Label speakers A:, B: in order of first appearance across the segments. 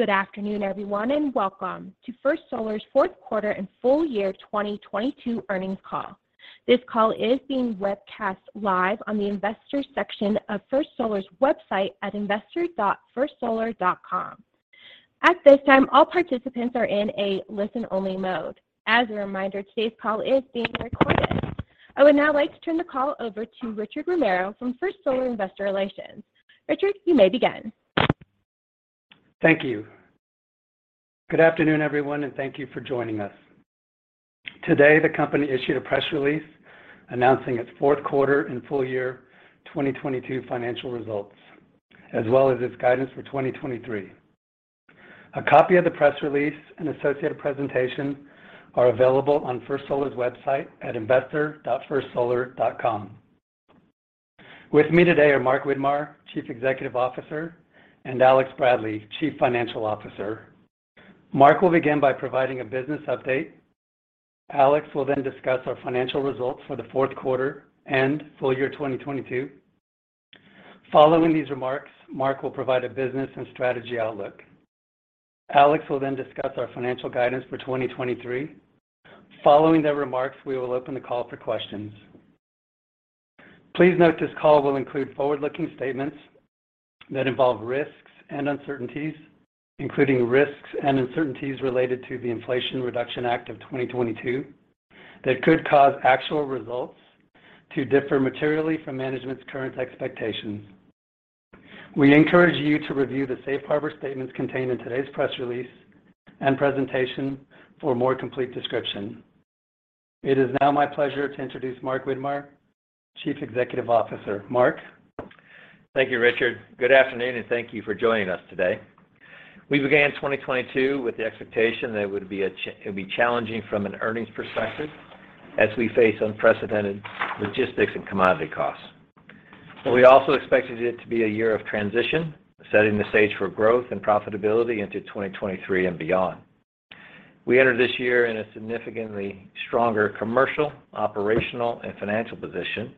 A: Good afternoon, everyone, and welcome to First Solar's Fourth Quarter and Full Year 2022 earnings call. This call is being webcast live on the Investors section of First Solar's website at investor.firstsolar.com. At this time, all participants are in a listen-only mode. As a reminder, today's call is being recorded. I would now like to turn the call over to Richard Romero from First Solar Investor Relations. Richard, you may begin.
B: Thank you. Good afternoon, everyone, and thank you for joining us. Today, the company issued a press release announcing its fourth quarter and full year 2022 financial results, as well as its guidance for 2023. A copy of the press release and associated presentation are available on First Solar's website at investor.firstsolar.com. With me today are Mark Widmar, Chief Executive Officer, and Alex Bradley, Chief Financial Officer. Mark will begin by providing a business update. Alex will then discuss our financial results for the fourth quarter and full year 2022. Following these remarks, Mark will provide a business and strategy outlook. Alex will then discuss our financial guidance for 2023. Following their remarks, we will open the call for questions. Please note this call will include forward-looking statements that involve risks and uncertainties, including risks and uncertainties related to the Inflation Reduction Act of 2022, that could cause actual results to differ materially from management's current expectations. We encourage you to review the safe harbor statements contained in today's press release and presentation for a more complete description. It is now my pleasure to introduce Mark Widmar, Chief Executive Officer. Mark?
C: Thank you, Richard. Good afternoon. Thank you for joining us today. We began 2022 with the expectation that it would be challenging from an earnings perspective as we face unprecedented logistics and commodity costs. We also expected it to be a year of transition, setting the stage for growth and profitability into 2023 and beyond. We entered this year in a significantly stronger commercial, operational, and financial position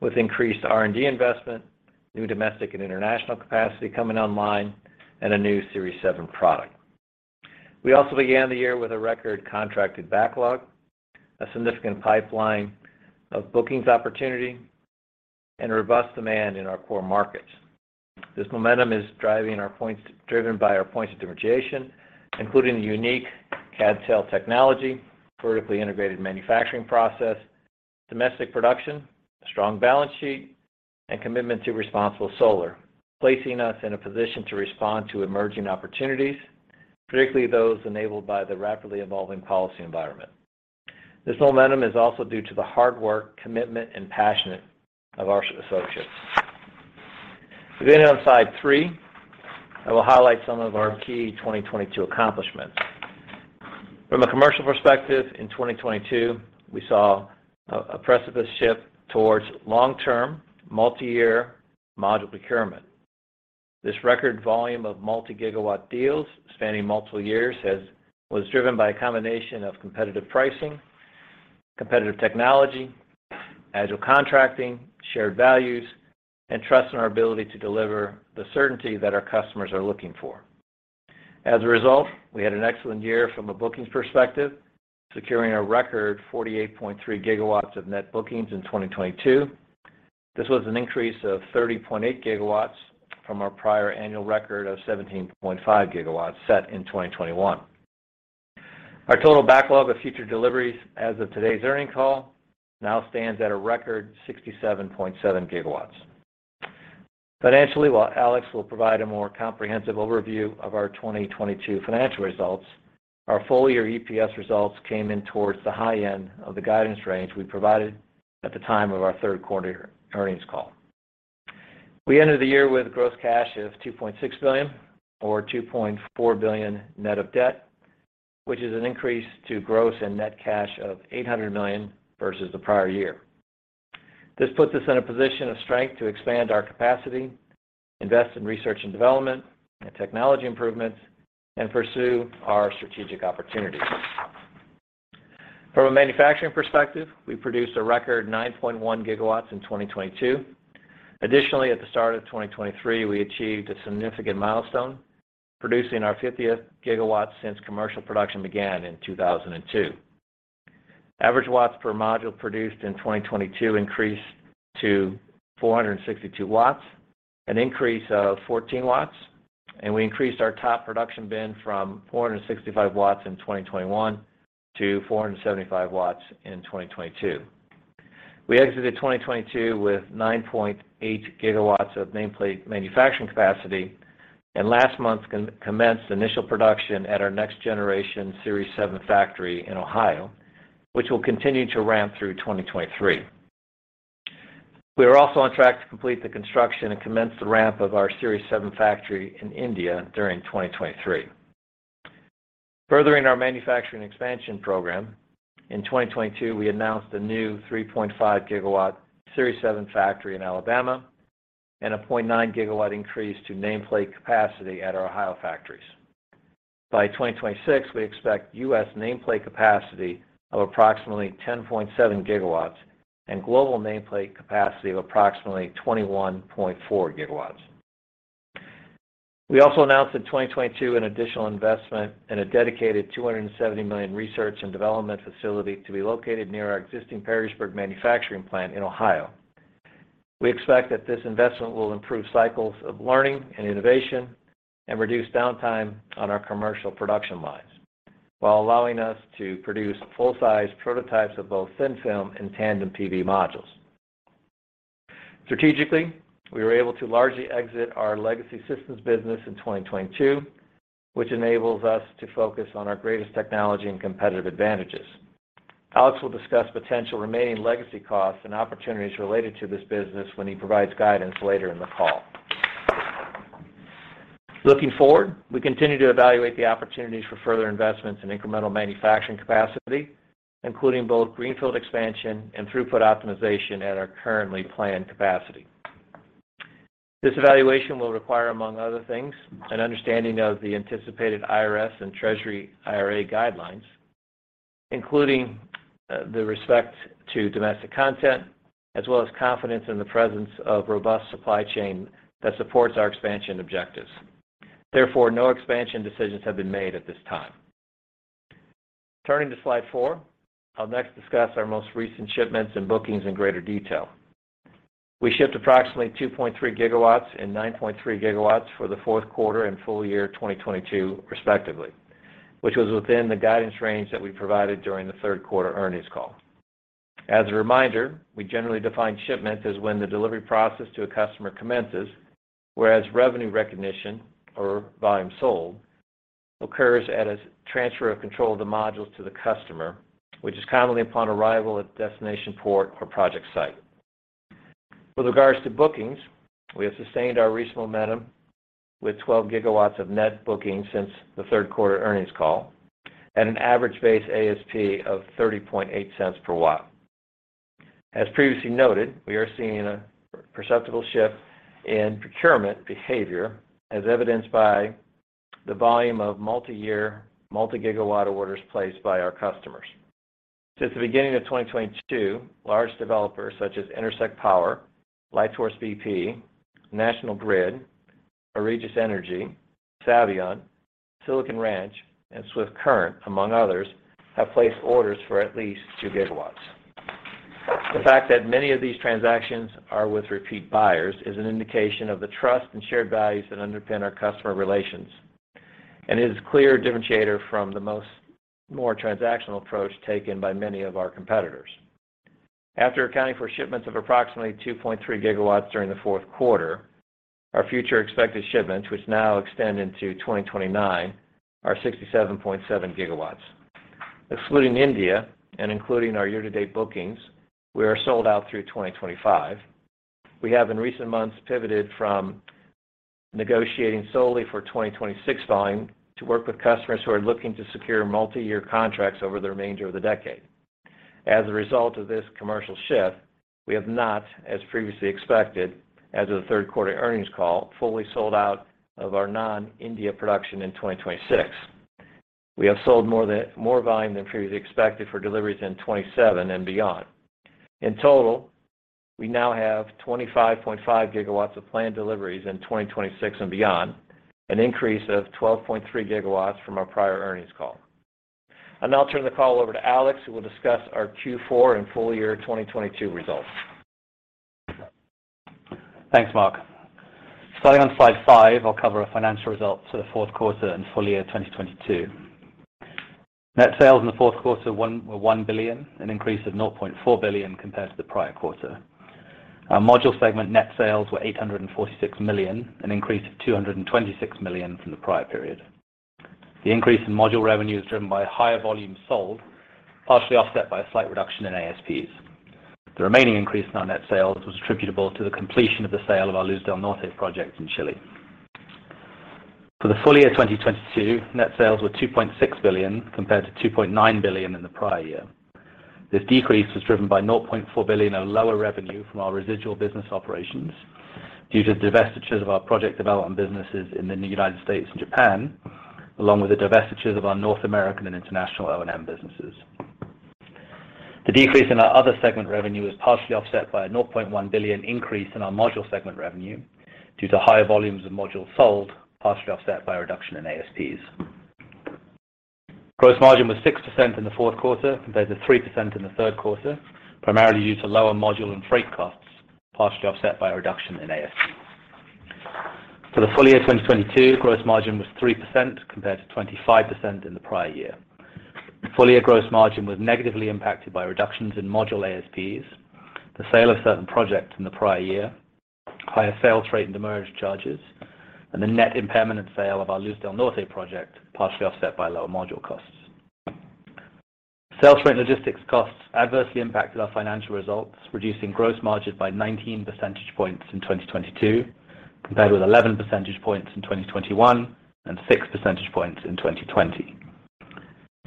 C: with increased R&D investment, new domestic and international capacity coming online, and a new Series 7 product. We also began the year with a record contracted backlog, a significant pipeline of bookings opportunity, and a robust demand in our core markets. This momentum is driven by our points of differentiation, including the unique CdTe technology, vertically integrated manufacturing process, domestic production, a strong balance sheet, and commitment to responsible solar, placing us in a position to respond to emerging opportunities, particularly those enabled by the rapidly evolving policy environment. This momentum is also due to the hard work, commitment, and passion of our associates. Beginning on slide three, I will highlight some of our key 2022 accomplishments. From a commercial perspective, in 2022, we saw a precipitous shift towards long-term, multi-year module procurement. This record volume of multi-gigawatt deals spanning multiple years was driven by a combination of competitive pricing, competitive technology, agile contracting, shared values, and trust in our ability to deliver the certainty that our customers are looking for. As a result, we had an excellent year from a bookings perspective, securing a record 48.3 GW of net bookings in 2022. This was an increase of 30.8 GW from our prior annual record of 17.5 GW set in 2021. Our total backlog of future deliveries as of today's earnings call now stands at a record 67.7 GW. Financially, Alex Bradley will provide a more comprehensive overview of our 2022 financial results, our full-year EPS results came in towards the high end of the guidance range we provided at the time of our third quarter earnings call. We ended the year with gross cash of $2.6 billion or $2.4 billion net of debt, which is an increase to gross and net cash of $800 million versus the prior year. This puts us in a position of strength to expand our capacity, invest in research and development and technology improvements, and pursue our strategic opportunities. From a manufacturing perspective, we produced a record 9.1 GW in 2022. Additionally, at the start of 2023, we achieved a significant milestone, producing our 50th gigawatt since commercial production began in 2002. Average watts per module produced in 2022 increased to 462 W, an increase of 14 W, and we increased our top production bin from 465 W in 2021 to 475 W in 2022. We exited 2022 with 9.8 GW of nameplate manufacturing capacity, and last month commenced initial production at our next generation Series 7 factory in Ohio, which will continue to ramp through 2023. We are also on track to complete the construction and commence the ramp of our Series 7 factory in India during 2023. Furthering our manufacturing expansion program, in 2022 we announced a new 3.5 GW Series 7 factory in Alabama and a 0.9 GW increase to nameplate capacity at our Ohio factories. By 2026, we expect US nameplate capacity of approximately 10.7 GW and global nameplate capacity of approximately 21.4 GW. We also announced in 2022 an additional investment in a dedicated $270 million research and development facility to be located near our existing Perrysburg manufacturing plant in Ohio. We expect that this investment will improve cycles of learning and innovation and reduce downtime on our commercial production lines, while allowing us to produce full-size prototypes of both thin-film and tandem PV modules. Strategically, we were able to largely exit our legacy systems business in 2022, which enables us to focus on our greatest technology and competitive advantages. Alex will discuss potential remaining legacy costs and opportunities related to this business when he provides guidance later in the call. Looking forward, we continue to evaluate the opportunities for further investments in incremental manufacturing capacity, including both greenfield expansion and throughput optimization at our currently planned capacity. This evaluation will require, among other things, an understanding of the anticipated IRS and Treasury IRA guidelines, including, with respect to domestic content, as well as confidence in the presence of robust supply chain that supports our expansion objectives. Therefore, no expansion decisions have been made at this time. Turning to slide four, I'll next discuss our most recent shipments and bookings in greater detail. We shipped approximately 2.3 GW and 9.3 GW for the fourth quarter and full year 2022 respectively, which was within the guidance range that we provided during the third quarter earnings call. As a reminder, we generally define shipments as when the delivery process to a customer commences, whereas revenue recognition or volume sold occurs at a transfer of control of the modules to the customer, which is commonly upon arrival at the destination port or project site. With regards to bookings, we have sustained our recent momentum with 12 GW of net bookings since the third quarter earnings call at an average base ASP of $0.308 per watt. As previously noted, we are seeing a perceptible shift in procurement behavior, as evidenced by the volume of multi-year, multi-gigawatt orders placed by our customers. Since the beginning of 2022, large developers such as Intersect Power, Lightsource bp, National Grid, Arevon Energy, Savion, Silicon Ranch, and Swift Current, among others, have placed orders for at least 2 GW. The fact that many of these transactions are with repeat buyers is an indication of the trust and shared values that underpin our customer relations, and it is a clear differentiator from the more transactional approach taken by many of our competitors. After accounting for shipments of approximately 2.3 GW during the fourth quarter, our future expected shipments, which now extend into 2029, are 67.7 GW. Excluding India and including our year-to-date bookings, we are sold out through 2025. We have in recent months pivoted from negotiating solely for 2026 volume to work with customers who are looking to secure multi-year contracts over the remainder of the decade. As a result of this commercial shift, we have not, as previously expected, as of the third quarter earnings call, fully sold out of our non-India production in 2026. We have sold more volume than previously expected for deliveries in 2027 and beyond. In total, we now have 25.5 GW of planned deliveries in 2026 and beyond, an increase of 12.3 GW from our prior earnings call. I'll now turn the call over to Alex, who will discuss our Q4 and full year 2022 results.
D: Thanks, Mark. Starting on slide five, I'll cover our financial results for the fourth quarter and full year 2022. Net sales in the fourth quarter were $1 billion, an increase of $0.4 billion compared to the prior quarter. Our module segment net sales were $846 million, an increase of $226 million from the prior period. The increase in module revenue is driven by higher volume sold, partially offset by a slight reduction in ASPs. The remaining increase in our net sales was attributable to the completion of the sale of our Luz del Norte project in Chile. For the full year 2022, net sales were $2.6 billion, compared to $2.9 billion in the prior year. This decrease was driven by $0.4 billion of lower revenue from our residual business operations due to divestitures of our project development businesses in the United States and Japan, along with the divestitures of our North American and international O&M businesses. The decrease in our other segment revenue was partially offset by a $0.1 billion increase in our module segment revenue due to higher volumes of modules sold, partially offset by a reduction in ASPs. Gross margin was 6% in the 4th quarter compared to 3% in the 3rd quarter, primarily due to lower module and freight costs, partially offset by a reduction in ASP. For the full year 2022, gross margin was 3% compared to 25% in the prior year. Full-year gross margin was negatively impacted by reductions in module ASPs, the sale of certain projects in the prior year, higher freight rate and demurrage charges, and the net impairment sale of our Luz del Norte project, partially offset by lower module costs. Sales rate logistics costs adversely impacted our financial results, reducing gross margins by 19 percentage points in 2022, compared with 11 percentage points in 2021 and 6 percentage points in 2020.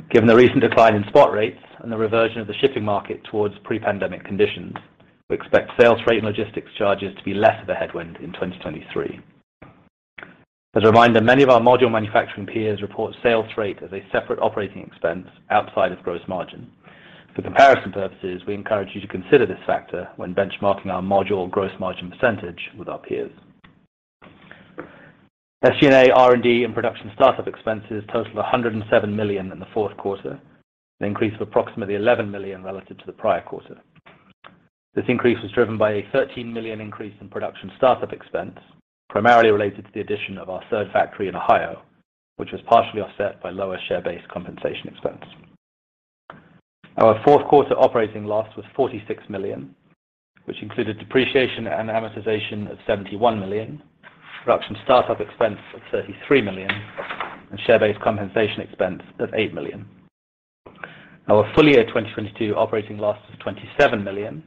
D: Given the recent decline in spot rates and the reversion of the shipping market towards pre-pandemic conditions, we expect freight rate and logistics charges to be less of a headwind in 2023. As a reminder, many of our module manufacturing peers report freight rate as a separate operating expense outside of gross margin. For comparison purposes, we encourage you to consider this factor when benchmarking our module gross margin percentage with our peers. SG&A, R&D, and Production Startup Expenses totaled $107 million in the fourth quarter, an increase of approximately $11 million relative to the prior quarter. This increase was driven by a $13 million increase in Production Startup Expense, primarily related to the addition of our third factory in Ohio, which was partially offset by lower share-based compensation expense. Our fourth quarter operating loss was $46 million, which included depreciation and amortization of $71 million, Production Startup Expense of $33 million, and share-based compensation expense of $8 million. Our full year 2022 operating loss was $27 million,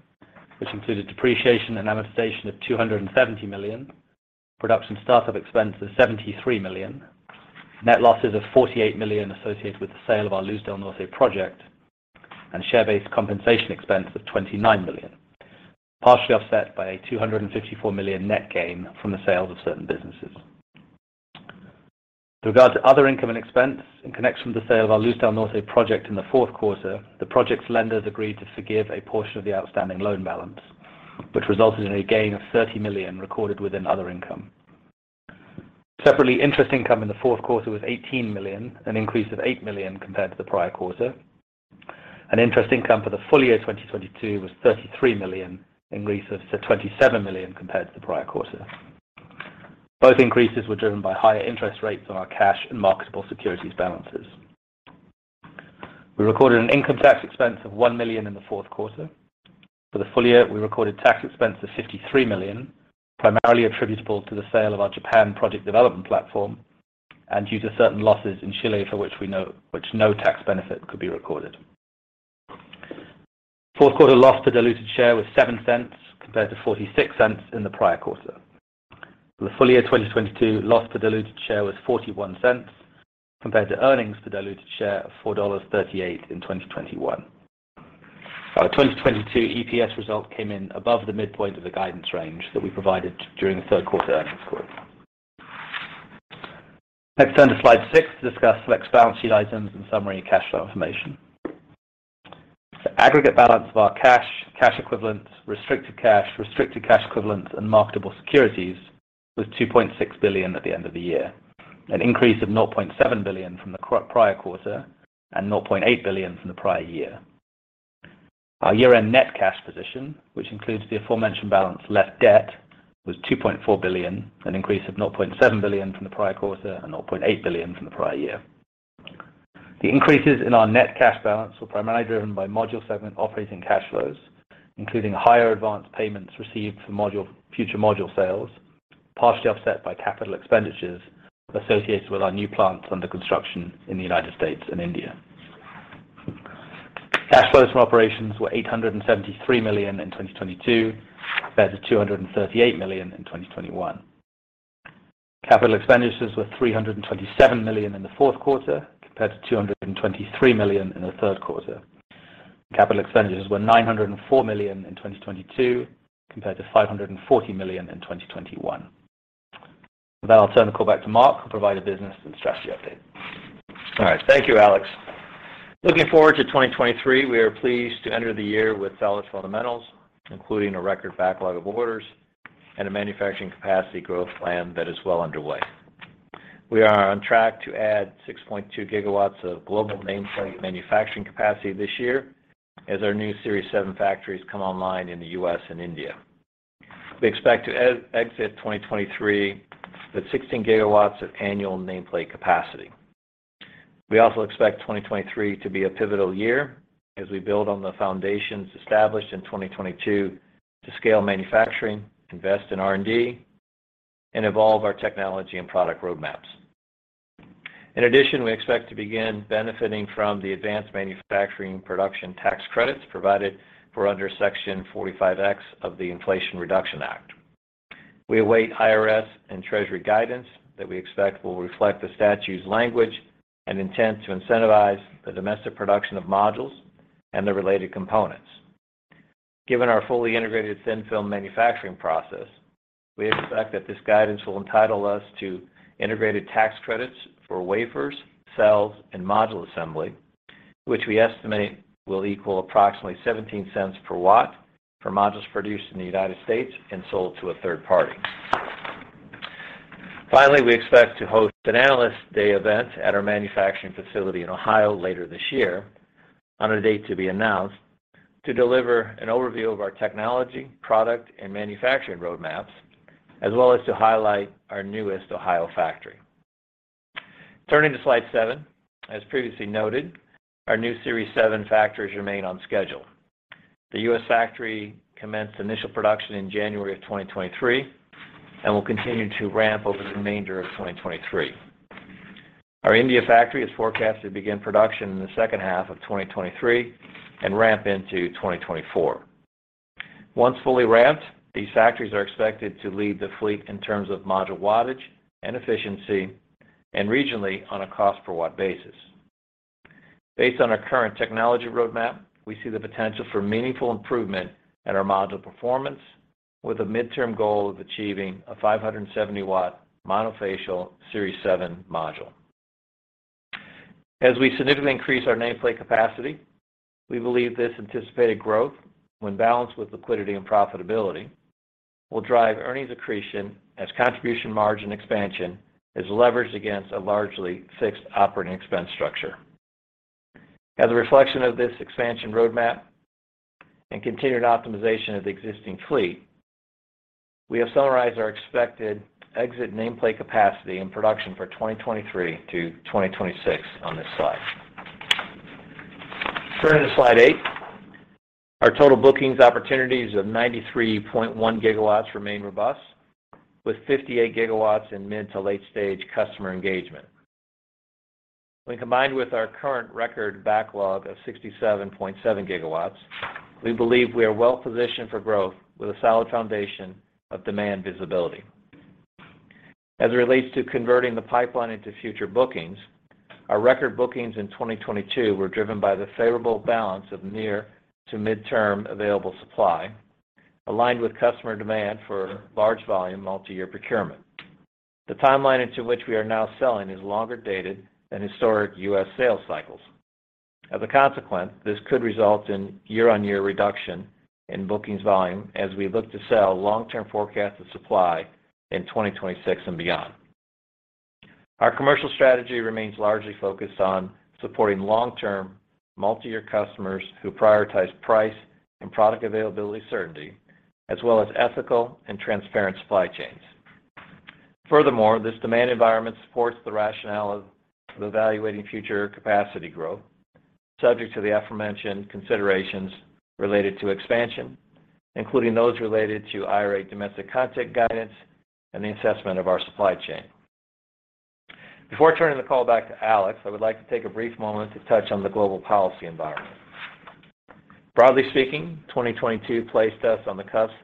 D: which included depreciation and amortization of $270 million, Production Startup Expenses of $73 million, net losses of $48 million associated with the sale of our Luz del Norte project, and share-based compensation expense of $29 million, partially offset by a $254 million net gain from the sales of certain businesses. With regard to other income and expense in connection with the sale of our Luz del Norte project in the fourth quarter, the project's lenders agreed to forgive a portion of the outstanding loan balance, which resulted in a gain of $30 million recorded within other income. Separately, Interest Income in the fourth quarter was $18 million, an increase of $8 million compared to the prior quarter. Interest Income for the full year 2022 was $33 million, increase of $27 million compared to the prior quarter. Both increases were driven by higher interest rates on our cash and marketable securities balances. We recorded an income tax expense of $1 million in the fourth quarter. For the full year, we recorded tax expense of $53 million, primarily attributable to the sale of our Japan project development platform and due to certain losses in Chile for which no tax benefit could be recorded. Fourth quarter loss per diluted share was $0.07 compared to $0.46 in the prior quarter. For the full year 2022, loss per diluted share was $0.41 compared to earnings per diluted share of $4.38 in 2021. Our 2022 EPS result came in above the midpoint of the guidance range that we provided during the third quarter earnings quarter. Let's turn to slide six to discuss select balance sheet items and summary cash flow information. The aggregate balance of our cash equivalents, restricted cash, restricted cash equivalents, and marketable securities was $2.6 billion at the end of the year. An increase of $0.7 billion from the prior quarter, and $0.8 billion from the prior year. Our year-end net cash position, which includes the aforementioned balance less debt, was $2.4 billion, an increase of $0.7 billion from the prior quarter, and $0.8 billion from the prior year. The increases in our net cash balance were primarily driven by module segment operating cash flows, including higher advanced payments received for future module sales, partially offset by capital expenditures associated with our new plants under construction in the United States and India. Cash flows from operations were $873 million in 2022 compared to $238 million in 2021. Capital expenditures were $327 million in the fourth quarter compared to $223 million in the third quarter. Capital expenditures were $904 million in 2022 compared to $540 million in 2021. With that, I'll turn the call back to Mark, who'll provide a business and strategy update.
C: All right. Thank you, Alex. Looking forward to 2023, we are pleased to enter the year with solid fundamentals, including a record backlog of orders and a manufacturing capacity growth plan that is well underway. We are on track to add 6.2 GW of global nameplate manufacturing capacity this year as our new Series 7 factories come online in the U.S. and India. We expect to exit 2023 with 16 GW of annual nameplate capacity. We also expect 2023 to be a pivotal year as we build on the foundations established in 2022 to scale manufacturing, invest in R&D, and evolve our technology and product road maps. In addition, we expect to begin benefiting from the advanced manufacturing production tax credits provided for under Section 45X of the Inflation Reduction Act. We await IRS and Treasury guidance that we expect will reflect the statute's language and intent to incentivize the domestic production of modules and the related components. Given our fully integrated thin-film manufacturing process, we expect that this guidance will entitle us to integrated tax credits for wafers, cells, and module assembly, which we estimate will equal approximately $0.17 per watt for modules produced in the United States and sold to a third party. We expect to host an Analyst Day event at our manufacturing facility in Ohio later this year on a date to be announced to deliver an overview of our technology, product, and manufacturing road maps, as well as to highlight our newest Ohio factory. Turning to slide seven, as previously noted, our new Series 7 factories remain on schedule. The US factory commenced initial production in January of 2023, and will continue to ramp over the remainder of 2023. Our India factory is forecast to begin production in the second half of 2023 and ramp into 2024. Once fully ramped, these factories are expected to lead the fleet in terms of module wattage and efficiency, and regionally on a cost per watt basis. Based on our current technology roadmap, we see the potential for meaningful improvement in our module performance with a midterm goal of achieving a 570 watt monofacial Series 7 module. As we significantly increase our nameplate capacity, we believe this anticipated growth, when balanced with liquidity and profitability, will drive earnings accretion as contribution margin expansion is leveraged against a largely fixed operating expense structure. As a reflection of this expansion roadmap and continued optimization of the existing fleet, we have summarized our expected exit nameplate capacity in production for 2023 to 2026 on this slide. Turning to slide eight. Our total bookings opportunities of 93.1 GW remain robust, with 58 GW in mid to late stage customer engagement. When combined with our current record backlog of 67.7 GW, we believe we are well positioned for growth with a solid foundation of demand visibility. As it relates to converting the pipeline into future bookings, our record bookings in 2022 were driven by the favorable balance of near to midterm available supply, aligned with customer demand for large volume multi-year procurement. The timeline into which we are now selling is longer dated than historic U.S. sales cycles. As a consequence, this could result in year-on-year reduction in bookings volume as we look to sell long-term forecasts of supply in 2026 and beyond. Our commercial strategy remains largely focused on supporting long-term multi-year customers who prioritize price and product availability certainty, as well as ethical and transparent supply chains. Furthermore, this demand environment supports the rationale of evaluating future capacity growth, subject to the aforementioned considerations related to expansion, including those related to IRA domestic content guidance and the assessment of our supply chain. Before turning the call back to Alex, I would like to take a brief moment to touch on the global policy environment. Broadly speaking, 2022 placed us on the cusp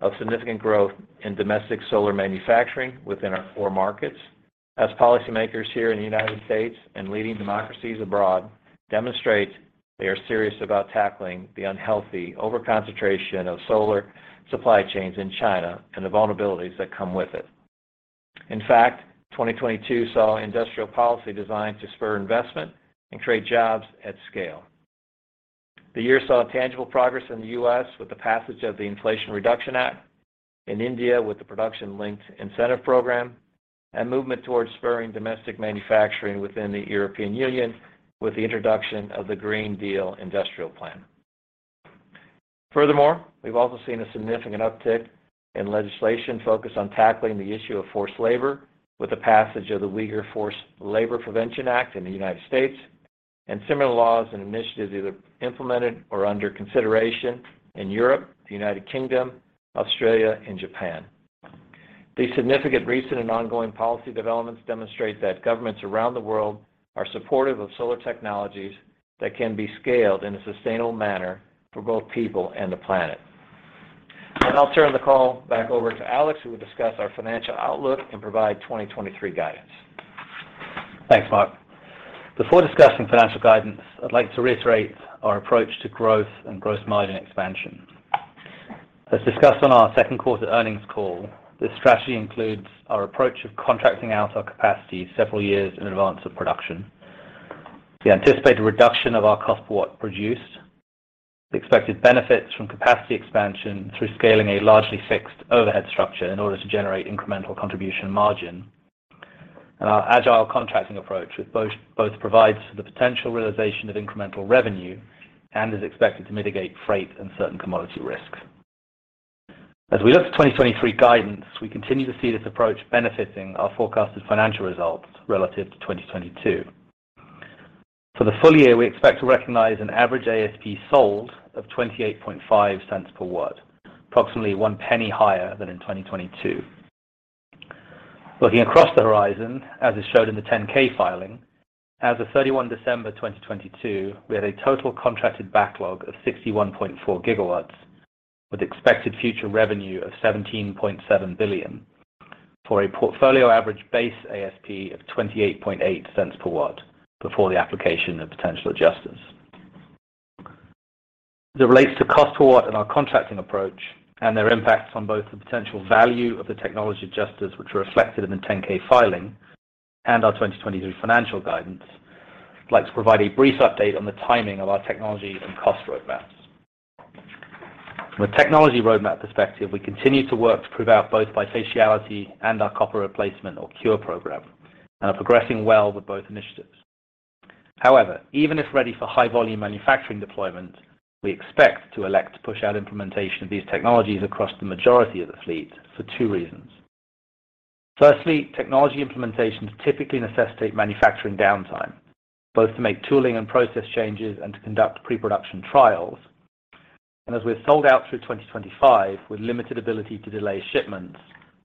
C: of significant growth in domestic solar manufacturing within our core markets as policymakers here in the United States and leading democracies abroad demonstrate they are serious about tackling the unhealthy overconcentration of solar supply chains in China and the vulnerabilities that come with it. In fact, 2022 saw industrial policy designed to spur investment and create jobs at scale. The year saw tangible progress in the U.S. with the passage of the Inflation Reduction Act, in India with the Production Linked Incentive Program, and movement towards spurring domestic manufacturing within the European Union with the introduction of the Green Deal Industrial Plan. Furthermore, we've also seen a significant uptick in legislation focused on tackling the issue of forced labor with the passage of the Uyghur Forced Labor Prevention Act in the U.S. and similar laws and initiatives either implemented or under consideration in Europe, the U.K., Australia and Japan. These significant recent and ongoing policy developments demonstrate that governments around the world are supportive of solar technologies that can be scaled in a sustainable manner for both people and the planet. Now I'll turn the call back over to Alex, who will discuss our financial outlook and provide 2023 guidance.
D: Thanks, Mark. Before discussing financial guidance, I'd like to reiterate our approach to growth and gross margin expansion. As discussed on our second quarter earnings call, this strategy includes our approach of contracting out our capacity several years in advance of production. We anticipate a reduction of our cost per watt produced, the expected benefits from capacity expansion through scaling a largely fixed overhead structure in order to generate incremental contribution margin, and our agile contracting approach, which both provides for the potential realization of incremental revenue and is expected to mitigate freight and certain commodity risks. As we look to 2023 guidance, we continue to see this approach benefiting our forecasted financial results relative to 2022. For the full year, we expect to recognize an average ASP sold of $0.285 per watt, approximately one penny higher than in 2022. Looking across the horizon, as is showed in the 10-K filing, as of December 31, 2022, we had a total contracted backlog of 61.4 GW with expected future revenue of $17.7 billion for a portfolio average base ASP of $0.288 per watt before the application of potential adjusters. As it relates to cost per watt and our contracting approach and their impacts on both the potential value of the technology adjusters which are reflected in the 10-K filing and our 2022 financial guidance, I'd like to provide a brief update on the timing of our technology and cost roadmaps. From a technology roadmap perspective, we continue to work to prove out both bifaciality and our copper replacement or CuRe program, and are progressing well with both initiatives. However, even if ready for high volume manufacturing deployment, we expect to elect to push out implementation of these technologies across the majority of the fleet for two reasons. Firstly, technology implementations typically necessitate manufacturing downtime, both to make tooling and process changes and to conduct pre-production trials. As we're sold out through 2025 with limited ability to delay shipments,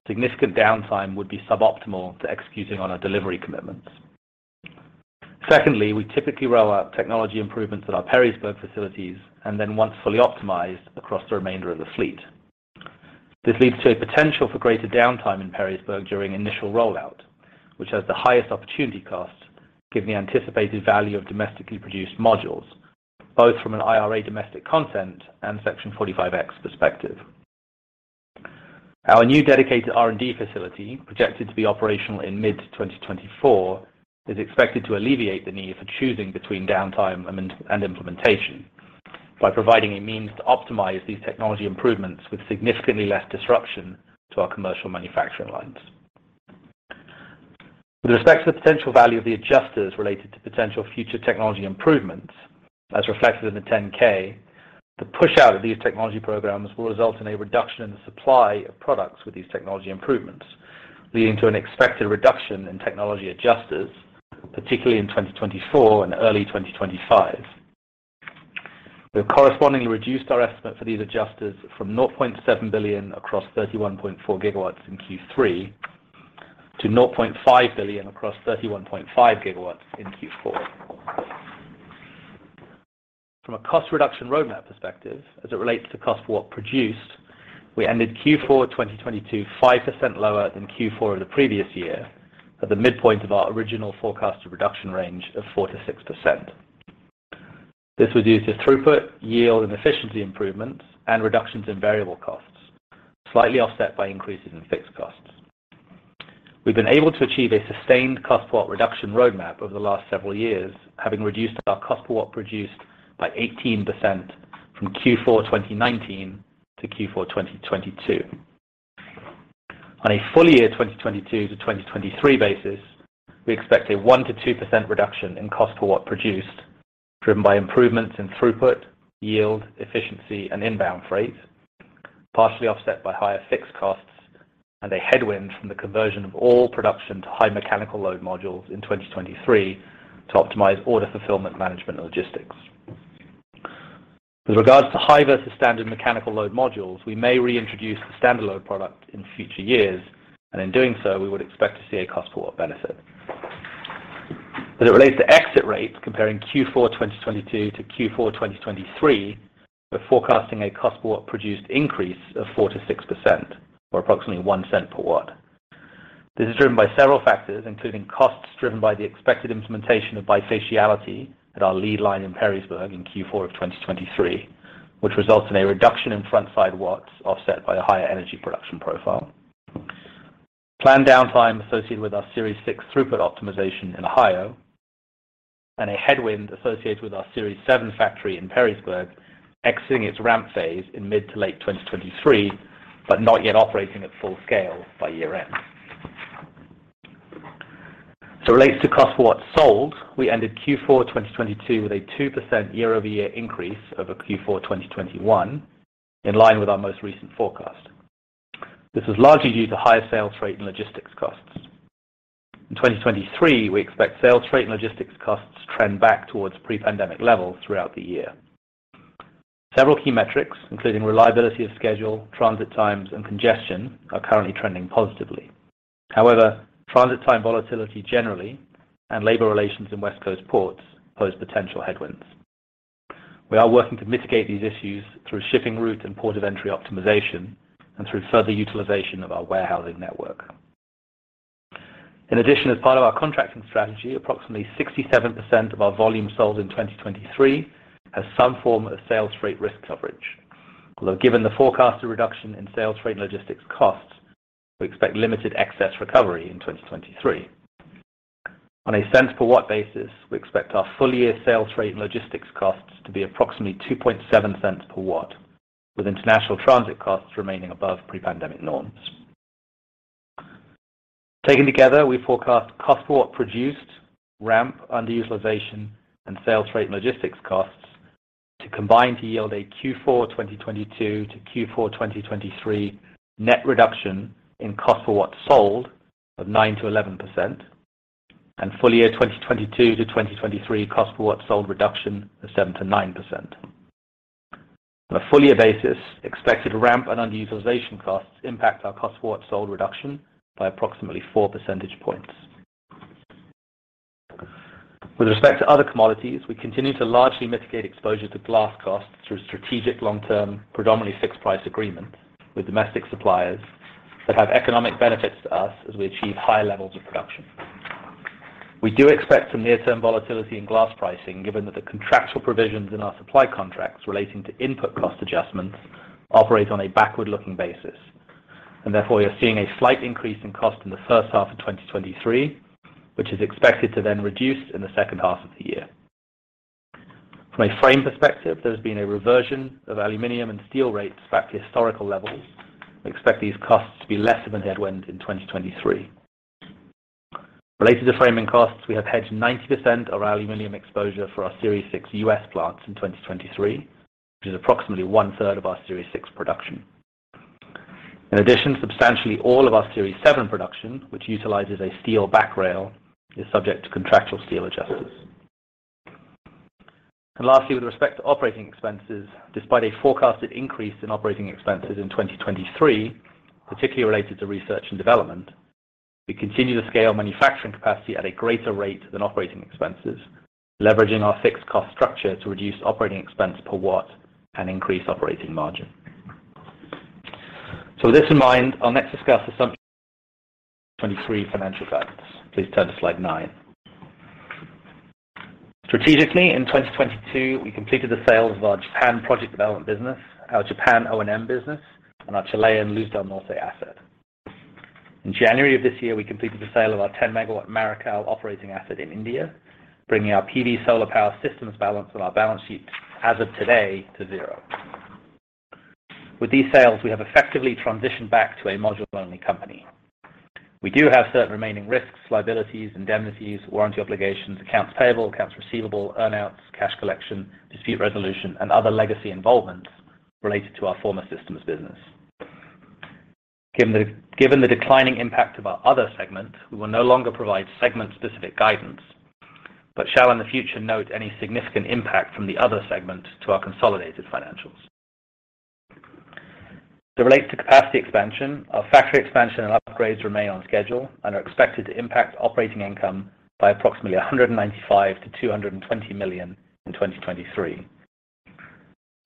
D: significant downtime would be suboptimal to executing on our delivery commitments. Secondly, we typically roll out technology improvements at our Perrysburg facilities and then once fully optimized across the remainder of the fleet. This leads to a potential for greater downtime in Perrysburg during initial rollout, which has the highest opportunity cost, given the anticipated value of domestically produced modules, both from an IRA domestic content and Section 45X perspective. Our new dedicated R&D facility, projected to be operational in mid 2024, is expected to alleviate the need for choosing between downtime and implementation by providing a means to optimize these technology improvements with significantly less disruption to our commercial manufacturing lines. With respect to the potential value of the adjusters related to potential future technology improvements, as reflected in the 10-K, the push out of these technology programs will result in a reduction in the supply of products with these technology improvements, leading to an expected reduction in technology adjusters, particularly in 2024 and early 2025. We have correspondingly reduced our estimate for these adjusters from $0.7 billion across 31.4 GW in Q3 to $0.5 billion across 31.5 GW in Q4. From a cost reduction roadmap perspective, as it relates to cost per watt produced, we ended Q4 2022 5% lower than Q4 of the previous year at the midpoint of our original forecasted reduction range of 4%-6%. This was due to throughput, yield, and efficiency improvements and reductions in variable costs, slightly offset by increases in fixed costs. We've been able to achieve a sustained cost per watt reduction roadmap over the last several years, having reduced our cost per watt produced by 18% from Q4 2019 to Q4 2022. On a full year 2022 to 2023 basis, we expect a 1%-2% reduction in cost per watt produced, driven by improvements in throughput, yield, efficiency, and inbound freight, partially offset by higher fixed costs and a headwind from the conversion of all production to high mechanical load modules in 2023 to optimize order fulfillment management and logistics. With regards to high versus standard mechanical load modules, we may reintroduce the standard load product in future years, and in doing so, we would expect to see a cost per watt benefit. As it relates to exit rates comparing Q4 2022 to Q4 2023, we're forecasting a cost per watt produced increase of 4%-6% or approximately $0.01 per watt. This is driven by several factors, including costs driven by the expected implementation of bifaciality at our lead line in Perrysburg in Q4 2023, which results in a reduction in frontside watts offset by a higher energy production profile, planned downtime associated with our Series 6 throughput optimization in Ohio and a headwind associated with our Series 7 factory in Perrysburg exiting its ramp phase in mid to late 2023, but not yet operating at full scale by year-end. As it relates to cost for what's sold, we ended Q4 2022 with a 2% year-over-year increase over Q4 2021 in line with our most recent forecast. This is largely due to higher sales rate and logistics costs. In 2023, we expect sales rate and logistics costs trend back towards pre-pandemic levels throughout the year. Several key metrics, including reliability of schedule, transit times, and congestion, are currently trending positively. Transit time volatility generally and labor relations in West Coast ports pose potential headwinds. We are working to mitigate these issues through shipping route and port of entry optimization and through further utilization of our warehousing network. As part of our contracting strategy, approximately 67% of our volume sold in 2023 has some form of sales rate risk coverage. Given the forecasted reduction in sales rate and logistics costs, we expect limited excess recovery in 2023. On a cents per watt basis, we expect our full year sales rate and logistics costs to be approximately $0.027 per watt, with international transit costs remaining above pre-pandemic norms. Taken together, we forecast cost per watt produced, ramp underutilization, freight rate, and logistics costs to combine to yield a Q4 2022 to Q4 2023 net reduction in cost per watt sold of 9%-11% and full year 2022-2023 cost per watt sold reduction of 7%-9%. On a full year basis, expected ramp and underutilization costs impact our cost per watt sold reduction by approximately 4 percentage points. With respect to other commodities, we continue to largely mitigate exposure to glass costs through strategic long-term, predominantly fixed price agreement with domestic suppliers that have economic benefits to us as we achieve higher levels of production. We do expect some near-term volatility in glass pricing, given that the contractual provisions in our supply contracts relating to input cost adjustments operate on a backward-looking basis. Therefore, you're seeing a slight increase in cost in the first half of 2023, which is expected to then reduce in the second half of the year. From a frame perspective, there's been a reversion of aluminum and steel rates back to historical levels. We expect these costs to be less of a headwind in 2023. Related to framing costs, we have hedged 90% of our aluminum exposure for our Series 6 U.S. plants in 2023, which is approximately one-third of our Series 6 production. In addition, substantially all of our Series 7 production, which utilizes a steel back rail, is subject to contractual steel adjusters. Lastly, with respect to operating expenses, despite a forecasted increase in operating expenses in 2023, particularly related to research and development, we continue to scale manufacturing capacity at a greater rate than operating expenses, leveraging our fixed cost structure to reduce operating expense per watt and increase operating margin. With this in mind, I'll next discuss [assumption for 2023] financial guidance. Please turn to slide nine. Strategically, in 2022, we completed the sale of our Japan project development business, our Japan O&M business, and our Chilean Luz del Norte asset. In January of this year, we completed the sale of our 10 MW Marical operating asset in India, bringing our PV solar power systems balance on our balance sheet as of today to zero. With these sales, we have effectively transitioned back to a module-only company. We do have certain remaining risks, liabilities, indemnities, warranty obligations, accounts payable, accounts receivable, earn-outs, cash collection, dispute resolution, and other legacy involvement related to our former systems business. Given the declining impact of our other segment, we will no longer provide segment-specific guidance, but shall in the future note any significant impact from the other segment to our consolidated financials. To relate to capacity expansion, our factory expansion and upgrades remain on schedule and are expected to impact Operating Income by approximately $195 million-$220 million in 2023.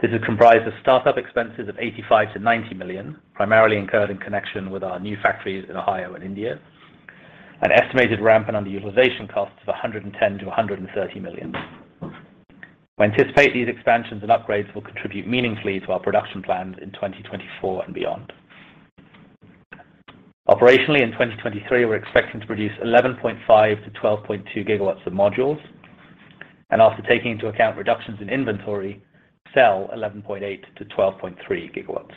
D: This is comprised of startup expenses of $85 million-$90 million, primarily incurred in connection with our new factories in Ohio and India. An estimated ramp and underutilization costs of $110 million-$130 million. We anticipate these expansions and upgrades will contribute meaningfully to our production plans in 2024 and beyond. Operationally, in 2023, we're expecting to produce 11.5-12.2 GW of modules, and after taking into account reductions in inventory, sell 11.8-12.3 GW.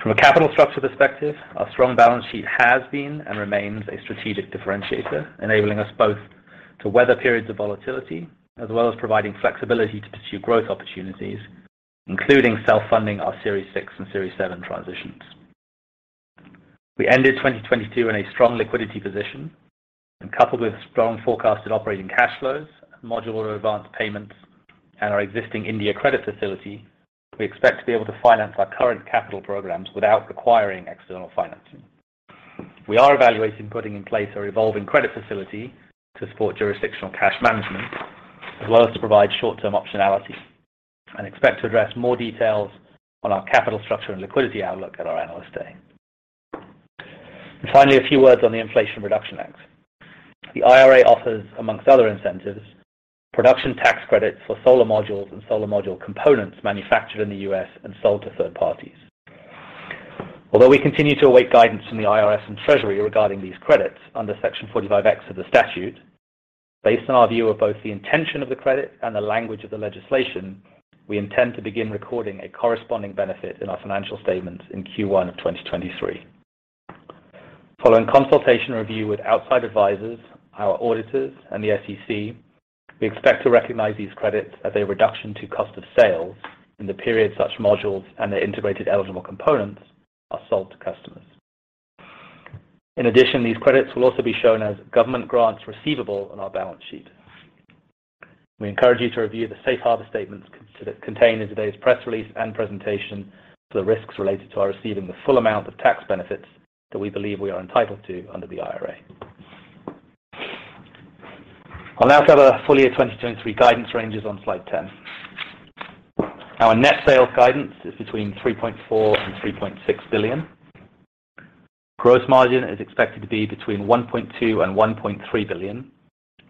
D: From a capital structure perspective, our strong balance sheet has been and remains a strategic differentiator, enabling us both to weather periods of volatility as well as providing flexibility to pursue growth opportunities, including self-funding our Series 6 and Series 7 transitions. We ended 2022 in a strong liquidity position, and coupled with strong forecasted operating cash flows, module advance payments, and our existing India credit facility, we expect to be able to finance our current capital programs without requiring external financing. We are evaluating putting in place a revolving credit facility to support jurisdictional cash management, as well as to provide short-term optionality, and expect to address more details on our capital structure and liquidity outlook at our Analyst Day. Finally, a few words on the Inflation Reduction Act. The IRA offers, amongst other incentives, production tax credits for solar modules and solar module components manufactured in the U.S. and sold to third parties. Although we continue to await guidance from the IRS and Treasury regarding these credits under Section 45X of the statute, based on our view of both the intention of the credit and the language of the legislation, we intend to begin recording a corresponding benefit in our financial statements in Q1 of 2023. Following consultation review with outside advisors, our auditors and the SEC, we expect to recognize these credits as a reduction to cost of sales in the period such modules and their integrated eligible components are sold to customers. These credits will also be shown as government grants receivable on our balance sheet. We encourage you to review the safe harbor statements contained in today's press release and presentation to the risks related to our receiving the full amount of tax benefits that we believe we are entitled to under the IRA. I'll now cover full year 2023 guidance ranges on slide 10. Our net sales guidance is between $3.4 billion and $3.6 billion. Gross margin is expected to be between $1.2 billion and $1.3 billion,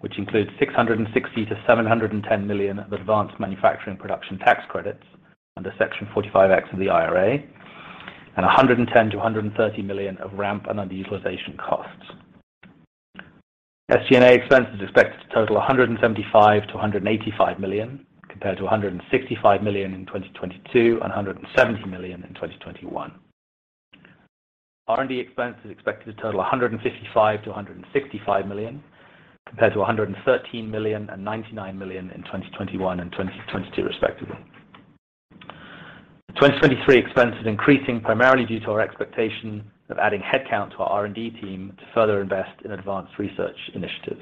D: which includes $660 million-$710 million of advanced manufacturing production tax credits under Section 45X of the IRA, and $110 million-$130 million of ramp and underutilization costs. SG&A expense is expected to total $175 million-$185 million, compared to $165 million in 2022 and $170 million in 2021. R&D expense is expected to total $155 million-$165 million, compared to $113 million and $99 million in 2021 and 2022, respectively. The 2023 expense is increasing primarily due to our expectation of adding headcount to our R&D team to further invest in advanced research initiatives.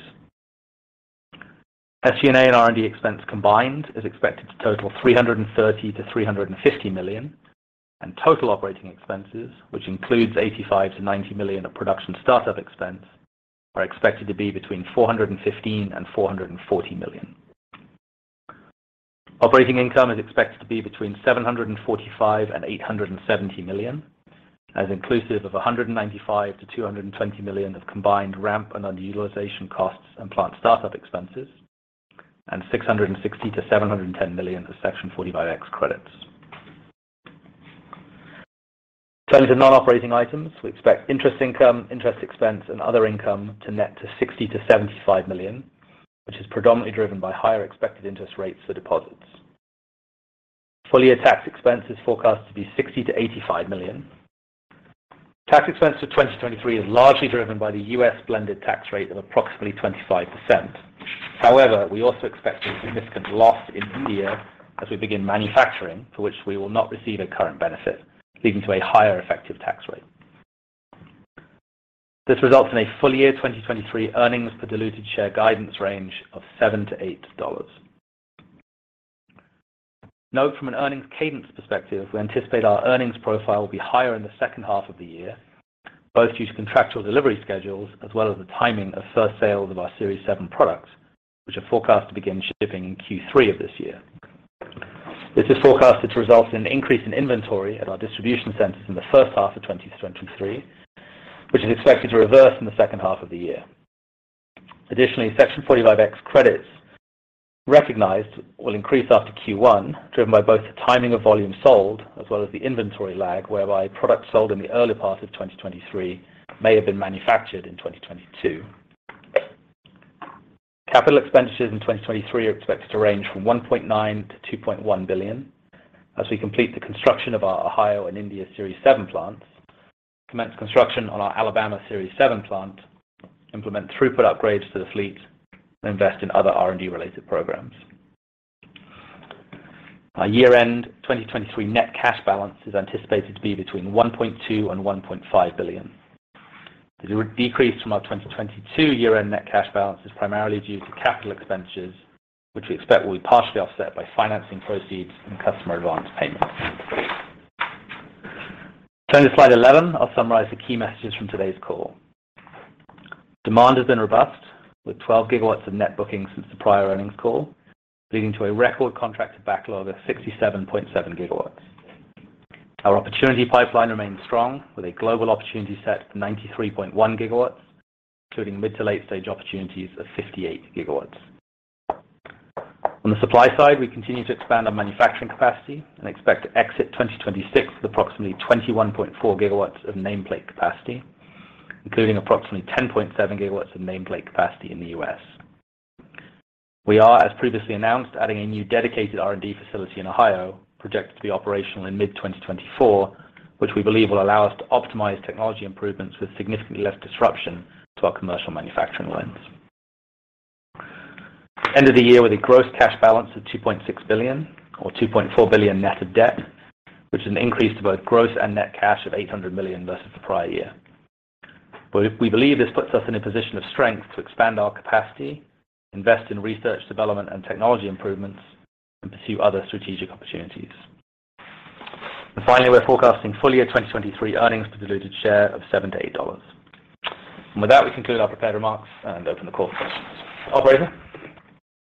D: SG&A and R&D expense combined is expected to total $330 million-$350 million, and Total Operating Expenses, which includes $85 million-$90 million of Production Startup Expense, are expected to be between $415 million and $440 million. Operating Income is expected to be between $745 million and $870 million, as inclusive of $195 million-$220 million of combined ramp and underutilization costs and plant startup expenses, and $660 million-$710 million of Section 45X credits. Turning to non-operating items, we expect Interest Income, Interest Expense, and Other Income to net to $60 million-$75 million, which is predominantly driven by higher expected interest rates for deposits. Full-year tax expense is forecast to be $60 million-$85 million. Tax expense for 2023 is largely driven by the U.S. blended tax rate of approximately 25%. We also expect a significant loss in India as we begin manufacturing, for which we will not receive a current benefit, leading to a higher effective tax rate. This results in a full year 2023 earnings per diluted share guidance range of $7-$8. Note from an earnings cadence perspective, we anticipate our earnings profile will be higher in the second half of the year, both due to contractual delivery schedules as well as the timing of first sales of our Series 7 products, which are forecast to begin shipping in Q3 of this year. This is forecasted to result in an increase in inventory at our distribution centers in the first half of 2023, which is expected to reverse in the second half of the year. Additionally, Section 45X credits recognized will increase after Q1, driven by both the timing of volume sold as well as the inventory lag, whereby products sold in the early part of 2023 may have been manufactured in 2022. Capital expenditures in 2023 are expected to range from $1.9 billion-$2.1 billion as we complete the construction of our Ohio and India Series 7 plants, commence construction on our Alabama Series 7 plant, implement throughput upgrades to the fleet, and invest in other R&D related programs. Our year-end 2023 net cash balance is anticipated to be between $1.2 billion and $1.5 billion. The decrease from our 2022 year-end net cash balance is primarily due to capital expenditures, which we expect will be partially offset by financing proceeds and customer advance payments. Turning to slide 11, I'll summarize the key messages from today's call. Demand has been robust, with 12 GW of net bookings since the prior earnings call, leading to a record contracted backlog of 67.7 GW. Our opportunity pipeline remains strong, with a global opportunity set of 93.1 GW, including mid to late stage opportunities of 58 GW. On the supply side, we continue to expand our manufacturing capacity and expect to exit 2026 with approximately 21.4 GW of nameplate capacity, including approximately 10.7 GW of nameplate capacity in the U.S. We are, as previously announced, adding a new dedicated R&D facility in Ohio, projected to be operational in mid-2024, which we believe will allow us to optimize technology improvements with significantly less disruption to our commercial manufacturing lens. End of the year with a gross cash balance of $2.6 billion or $2.4 billion net of debt, which is an increase to both gross and net cash of $800 million versus the prior year. We believe this puts us in a position of strength to expand our capacity, invest in research, development and technology improvements, and pursue other strategic opportunities. Finally, we're forecasting full year 2023 earnings per diluted share of $7-$8. With that, we conclude our prepared remarks and open the call. Operator?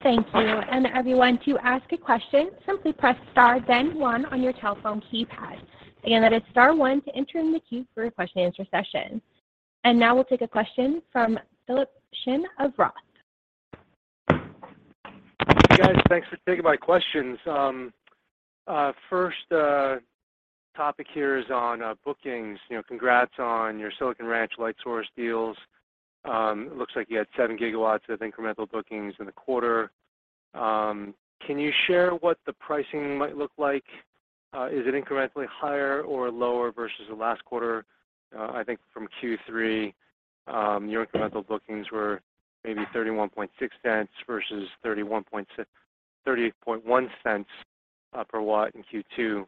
A: Thank you. Everyone, to ask a question, simply press star then one on your telephone keypad. Again, that is star one to enter in the queue for your question and answer session. Now we'll take a question from Philip Shen of Roth.
E: Hey, guys. Thanks for taking my questions. first topic here is on bookings. You know, congrats on your Silicon Ranch Lightsource deals. It looks like you had 7 GW of incremental bookings in the quarter. Can you share what the pricing might look like? Is it incrementally higher or lower versus the last quarter? I think from Q3, your incremental bookings were maybe $0.316 versus $0.381 per watt in Q2.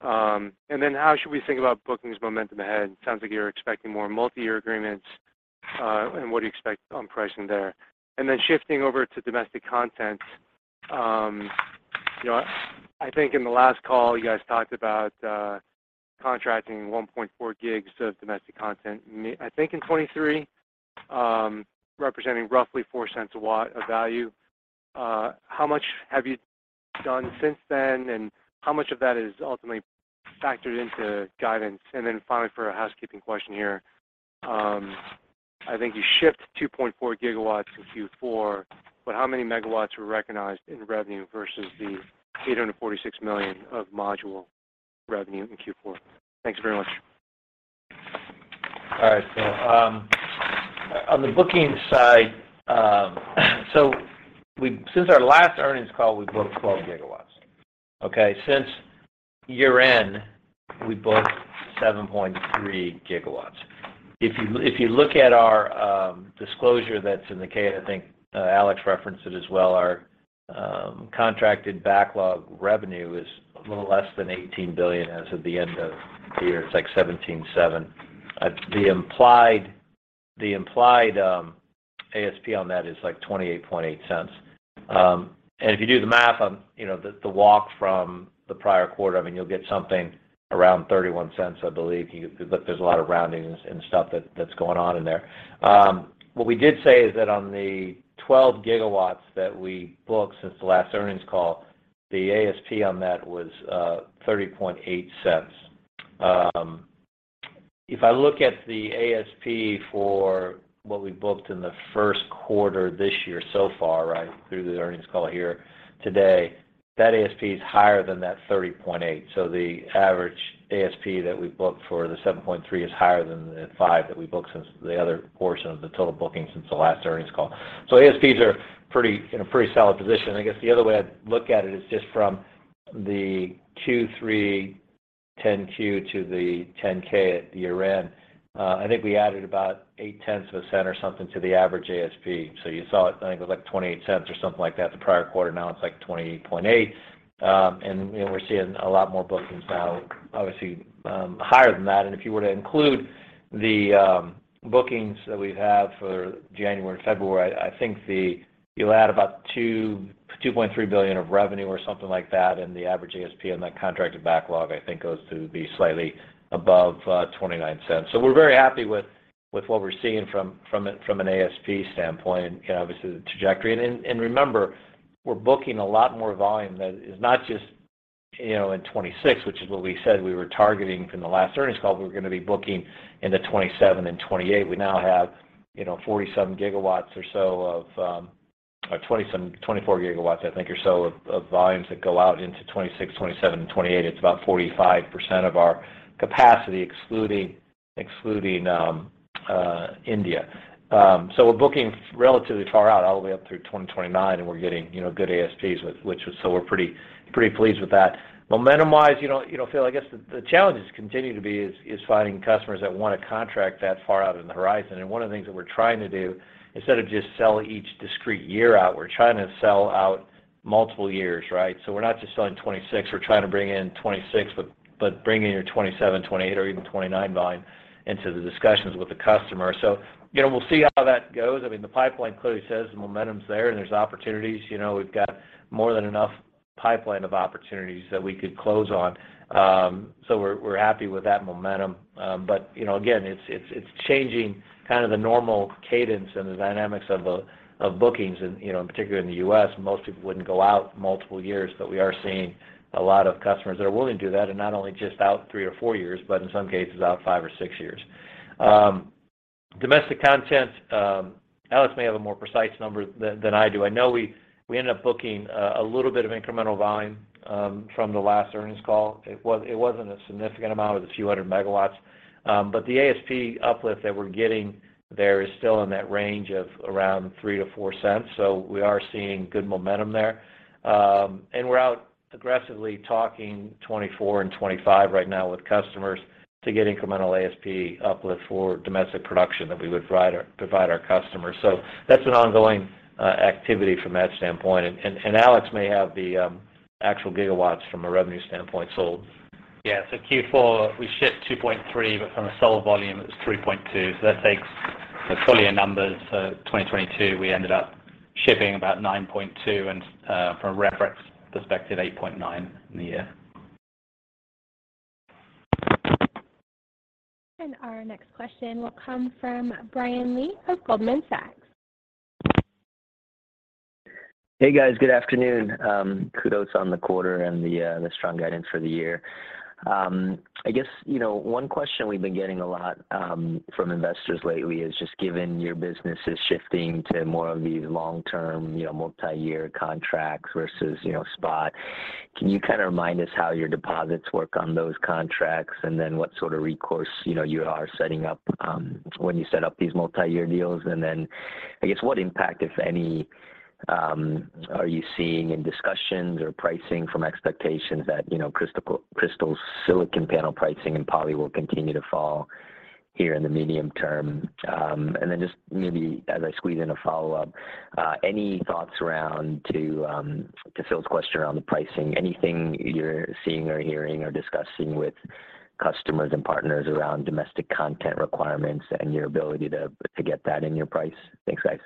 E: How should we think about bookings momentum ahead? It sounds like you're expecting more multi-year agreements, and what do you expect on pricing there? Shifting over to domestic content, you know, I think in the last call, you guys talked about contracting 1.4 GW of domestic content I think in 2023, representing roughly $0.04/watt of value. How much have you done since then, and how much of that is ultimately factored into guidance? Finally, for a housekeeping question here, I think you shipped 2.4 GW in Q4, but how many megawatts were recognized in revenue versus the $846 million of module revenue in Q4? Thanks very much.
D: All right. On the bookings side, since our last earnings call, we've booked 12 GW. Since year-end, we booked 7.3 GW. If you look at our disclosure that's in the 10-K, and I think Alex referenced it as well, our contracted backlog revenue is a little less than $18 billion as of the end of the year. It's like $17.7 billion. The implied ASP on that is like $0.288. If you do the math on, you know, the walk from the prior quarter, I mean, you'll get something around $0.31, I believe. There's a lot of roundings and stuff that's going on in there. What we did say is that on the 12 GW that we booked since the last earnings call, the ASP on that was $0.308. If I look at the ASP for what we booked in the first quarter this year so far, right, through the earnings call here today, that ASP is higher than that $0.308. The average ASP that we booked for the 7.3 is higher than the 5 that we booked since the other portion of the total bookings since the last earnings call. ASPs are pretty, in a pretty solid position. I guess the other way I'd look at it is just from the two, three.
C: 10-Q to the 10-K at the year-end, I think we added about $0.008 or something to the average ASP. You saw it, I think it was like $0.28 or something like that the prior quarter, now it's like $0.288. We're seeing a lot more bookings now, obviously, higher than that. If you were to include the bookings that we have for January and February, I think you'll add about $2.3 billion of revenue or something like that, and the average ASP on that contracted backlog, I think goes to be slightly above $0.29. We're very happy with what we're seeing from an ASP standpoint and obviously the trajectory. Remember, we're booking a lot more volume that is not just, you know, in 2026, which is what we said we were targeting from the last earnings call, but we're gonna be booking into 2027 and 2028. We now have, you know, 47 GW or so of 24 GW, I think, or so of volumes that go out into 2026, 2027, and 2028. It's about 45% of our capacity, excluding India. We're booking relatively far out, all the way up through 2029, and we're getting, you know, good ASPs which was so we're pretty pleased with that. Momentum-wise, you know, Phil, I guess the challenge continues to be is finding customers that wanna contract that far out in the horizon. One of the things that we're trying to do, instead of just sell each discrete year out, we're trying to sell out multiple years, right? We're not just selling 2026, we're trying to bring in 2026, but bring in your 2027, 2028 or even 2029 volume into the discussions with the customer. You know, we'll see how that goes. I mean, the pipeline clearly says the momentum's there and there's opportunities. You know, we've got more than enough pipeline of opportunities that we could close on. We're, we're happy with that momentum. But, you know, again, it's, it's changing kind of the normal cadence and the dynamics of bookings and, you know, in particular in the U.S., most people wouldn't go out multiple years. We are seeing a lot of customers that are willing to do that, and not only just out 3 or 4 years, but in some cases out five or six years. Domestic content, Alex may have a more precise number than I do. I know we ended up booking a little bit of incremental volume from the last earnings call. It wasn't a significant amount, it was a few hundred megawatts. The ASP uplift that we're getting there is still in that range of around $0.03-$0.04. We are seeing good momentum there. We're out aggressively talking 2024 and 2025 right now with customers to get incremental ASP uplift for domestic production that we would provide our customers. That's an ongoing activity from that standpoint. Alex may have the actual GW from a revenue standpoint.
D: Yeah. Q4, we shipped 2.3, but from a solar volume it was 3.2. That takes the full year numbers. 2022, we ended up shipping about 9.2 and, from a reference perspective, 8.9 in the year.
A: Our next question will come from Brian Lee of Goldman Sachs.
F: Hey guys, good afternoon. Kudos on the quarter and the strong guidance for the year. I guess, you know, one question we've been getting a lot from investors lately is just given your business is shifting to more of these long-term, you know, multi-year contracts versus, you know, spot, can you kind of remind us how your deposits work on those contracts? What sort of recourse, you know, you are setting up when you set up these multi-year deals? I guess what impact, if any, are you seeing in discussions or pricing from expectations that, you know, crystalline silicon panel pricing and polysilicon will continue to fall here in the medium term? Then just maybe as I squeeze in a follow-up, any thoughts around to Phil's question around the pricing, anything you're seeing or hearing or discussing with customers and partners around domestic content requirements and your ability to get that in your price? Thanks, guys.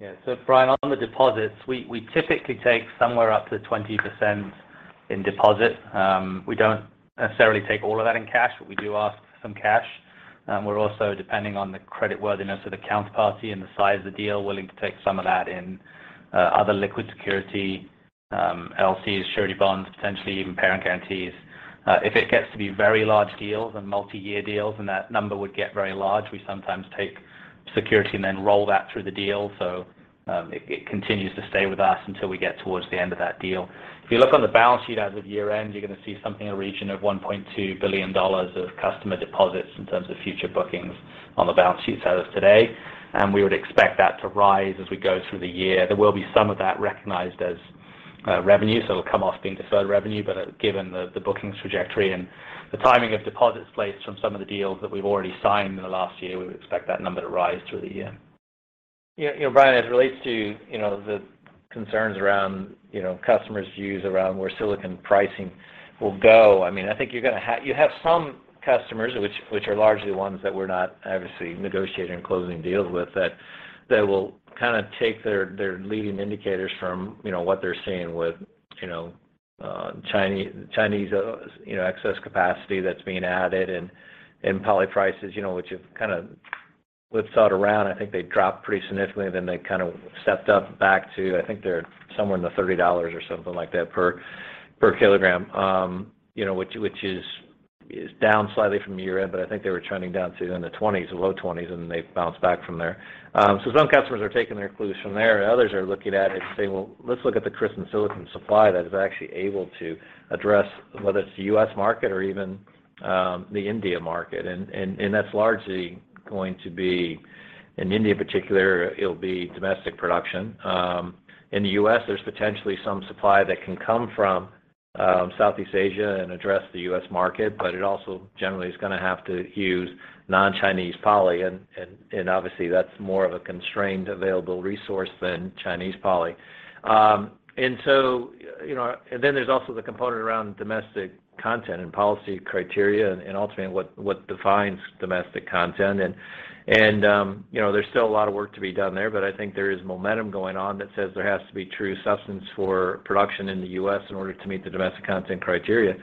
D: Yeah. Brian, on the deposits, we typically take somewhere up to 20% in deposit. We don't necessarily take all of that in cash, but we do ask for some cash. We're also depending on the credit worthiness of the counterparty and the size of the deal, willing to take some of that in other liquid security, LCs, surety bonds, potentially even parent guarantees. If it gets to be very large deals and multi-year deals then that number would get very large. We sometimes take security and then roll that through the deal, so it continues to stay with us until we get towards the end of that deal. If you look on the balance sheet as of year-end, you're gonna see something in the region of $1.2 billion of customer deposits in terms of future bookings on the balance sheet as of today, and we would expect that to rise as we go through the year. There will be some of that recognized as revenue, so it'll come off being deferred revenue. Given the bookings trajectory and the timing of deposits placed from some of the deals that we've already signed in the last year, we would expect that number to rise through the year.
C: You, you know, Brian, as it relates to, you know, the concerns around, you know, customers' views around where silicon pricing will go, I mean, I think you have some customers, which are largely ones that we're not obviously negotiating and closing deals with, that they will kinda take their leading indicators from, you know, what they're seeing with, Chinese, you know, excess capacity that's being added and polysilicon prices, you know, which have kind of whipsawed around. I think they dropped pretty significantly then they kind of stepped up back to, I think they're somewhere in the $30 or something like that per kilogram. You know, which is down slightly from year-end, but I think they were trending down to in the 20s, low 20s, and they've bounced back from there. Some customers are taking their cues from there, and others are looking at it and saying, Well, let's look at the crystalline silicon supply that is actually able to address whether it's the U.S. market or even the India market. That's largely going to be, in India in particular, it'll be domestic production. In the U.S. there's potentially some supply that can come from Southeast Asia and address the U.S. market, but it also generally is gonna have to use non-Chinese polysilicon. Obviously, that's more of a constrained available resource than Chinese polysilicon. So, you know, and then there's also the component around domestic content and policy criteria and ultimately what defines domestic content. You know, there's still a lot of work to be done there, but I think there is momentum going on that says there has to be true substance for production in the U.S. in order to meet the domestic content criteria,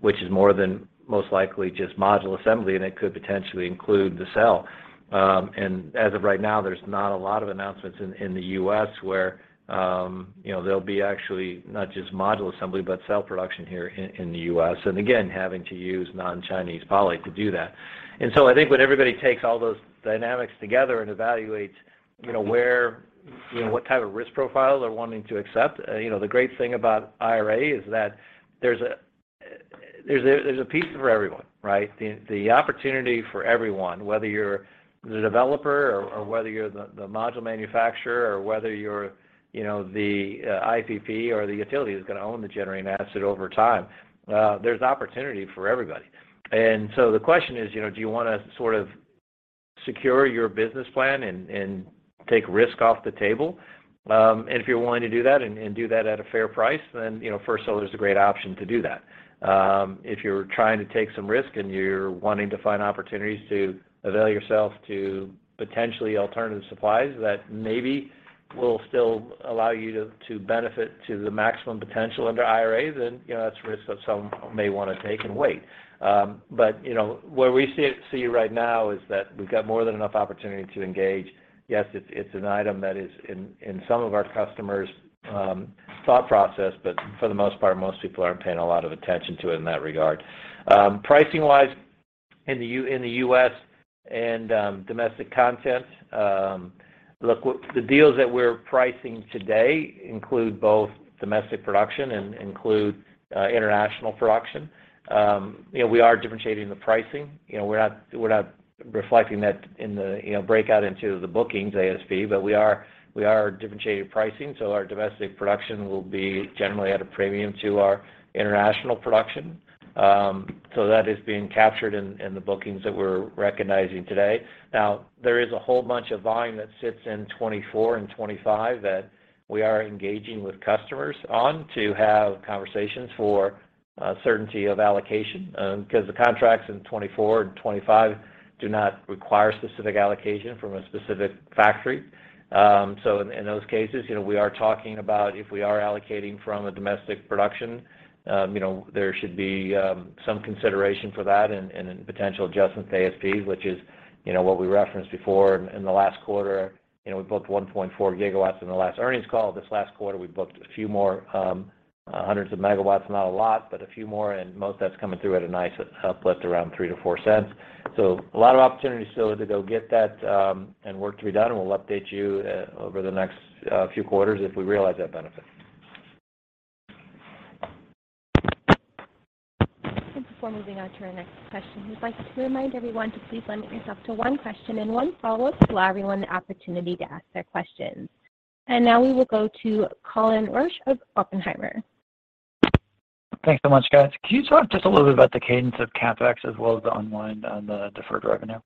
C: which is more than most likely just module assembly, and it could potentially include the cell. As of right now, there's not a lot of announcements in the U.S. where, you know, there'll be actually not just module assembly, but cell production here in the U.S. Again, having to use non-Chinese polysilicon to do that. I think when everybody takes all those dynamics together and evaluates, you know, where, you know, what type of risk profile they're wanting to accept, you know, the great thing about IRA is that there's a piece for everyone, right? The opportunity for everyone, whether you're the developer or whether you're the module manufacturer or whether you're, you know, the IPP or the utility that's gonna own the generating asset over time, there's opportunity for everybody. The question is, you know, do you wanna sort of secure your business plan and take risk off the table? And if you're willing to do that and do that at a fair price, then, you know, First Solar is a great option to do that. If you're trying to take some risk and you're wanting to find opportunities to avail yourself to potentially alternative supplies that maybe will still allow you to benefit to the maximum potential under IRA, then, you know, that's a risk that some may wanna take and wait. You know, where we see right now is that we've got more than enough opportunity to engage. Yes, it's an item that is in some of our customers', thought process, but for the most part, most people aren't paying a lot of attention to it in that regard. Pricing-wise in the U.S. and domestic content, look, the deals that we're pricing today include both domestic production and include international production. You know, we are differentiating the pricing. You know, we're not reflecting that in the, you know, breakout into the bookings ASP, we are differentiating pricing, our domestic production will be generally at a premium to our international production. That is being captured in the bookings that we're recognizing today. There is a whole bunch of volume that sits in 2024 and 2025 that we are engaging with customers on to have conversations for certainty of allocation, 'cause the contracts in 2024 and 2025 do not require specific allocation from a specific factory. In those cases, you know, we are talking about if we are allocating from a domestic production, you know, there should be some consideration for that and potential adjustments to ASP, which is, you know, what we referenced before in the last quarter. You know, we booked 1.4 GW in the last earnings call. This last quarter, we booked a few more hundreds of megawatts. Not a lot, but a few more, and most of that's coming through at a nice uplift around $0.03-$0.04. A lot of opportunities still to go get that, and work to be done, and we'll update you over the next few quarters if we realize that benefit.
A: Before moving on to our next question, we'd like to remind everyone to please limit yourself to one question and one follow-up to allow everyone the opportunity to ask their questions. Now we will go to Colin Rusch of Oppenheimer.
G: Thanks so much, guys. Can you talk just a little bit about the cadence of CapEx as well as the unwind on the deferred revenue?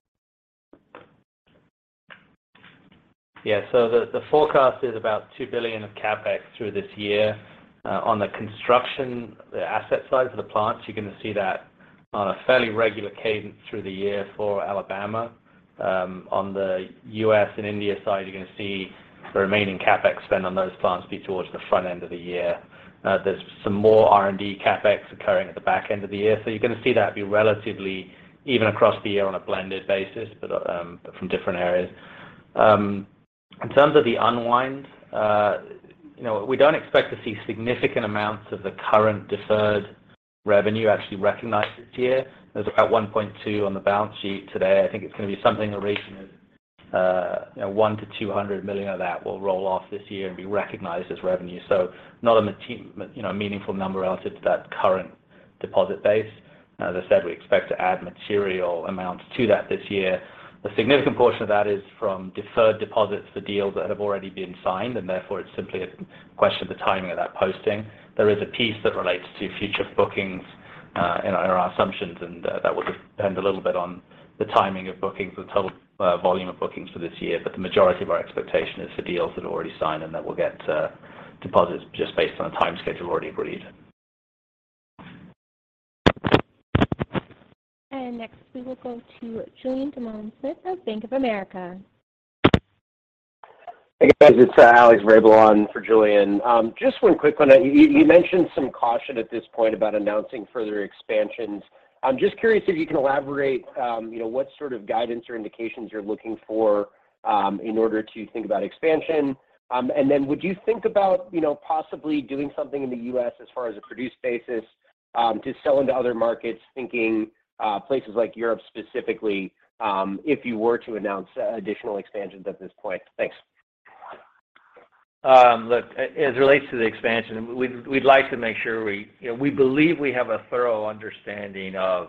C: The forecast is about $2 billion of CapEx through this year. On the construction, the asset side for the plants, you're going to see that on a fairly regular cadence through the year for Alabama. On the U.S. and India side, you're going to see the remaining CapEx spend on those plants be towards the front end of the year. There's some more R&D CapEx occurring at the back end of the year. You're going to see that be relatively even across the year on a blended basis, but from different areas. In terms of the unwind, you know, we don't expect to see significant amounts of the current deferred revenue actually recognized this year. There's about $1.2 on the balance sheet today. I think it's going to be something in the region of, you know, $100 million-$200 million of that will roll off this year and be recognized as revenue. Not a meaningful number relative to that current deposit base. As I said, we expect to add material amounts to that this year. A significant portion of that is from deferred deposits for deals that have already been signed, and therefore it's simply a question of the timing of that posting. There is a piece that relates to future bookings in our assumptions, and that will depend a little bit on the timing of bookings, the total volume of bookings for this year. The majority of our expectation is for deals that are already signed and that we'll get deposits just based on a time schedule already agreed.
A: Next, we will go to Julien Dumoulin-Smith of Bank of America.
H: Hey guys, it's Alex Vrabel for Julien. Just one quick one. You mentioned some caution at this point about announcing further expansions. I'm just curious if you can elaborate, you know, what sort of guidance or indications you're looking for in order to think about expansion. Would you think about, you know, possibly doing something in the U.S. as far as a produced basis to sell into other markets, thinking places like Europe specifically, if you were to announce additional expansions at this point? Thanks.
C: Look, as it relates to the expansion, we'd like to make sure, you know, we believe we have a thorough understanding of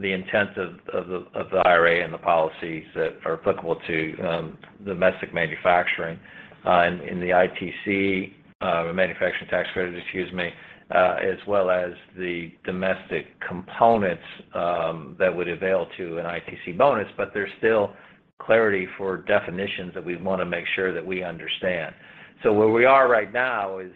C: the intent of the IRA and the policies that are applicable to domestic manufacturing, and in the ITC manufacturing tax credit, excuse me, as well as the domestic components that would avail to an ITC bonus. There's still clarity for definitions that we want to make sure that we understand. Where we are right now is,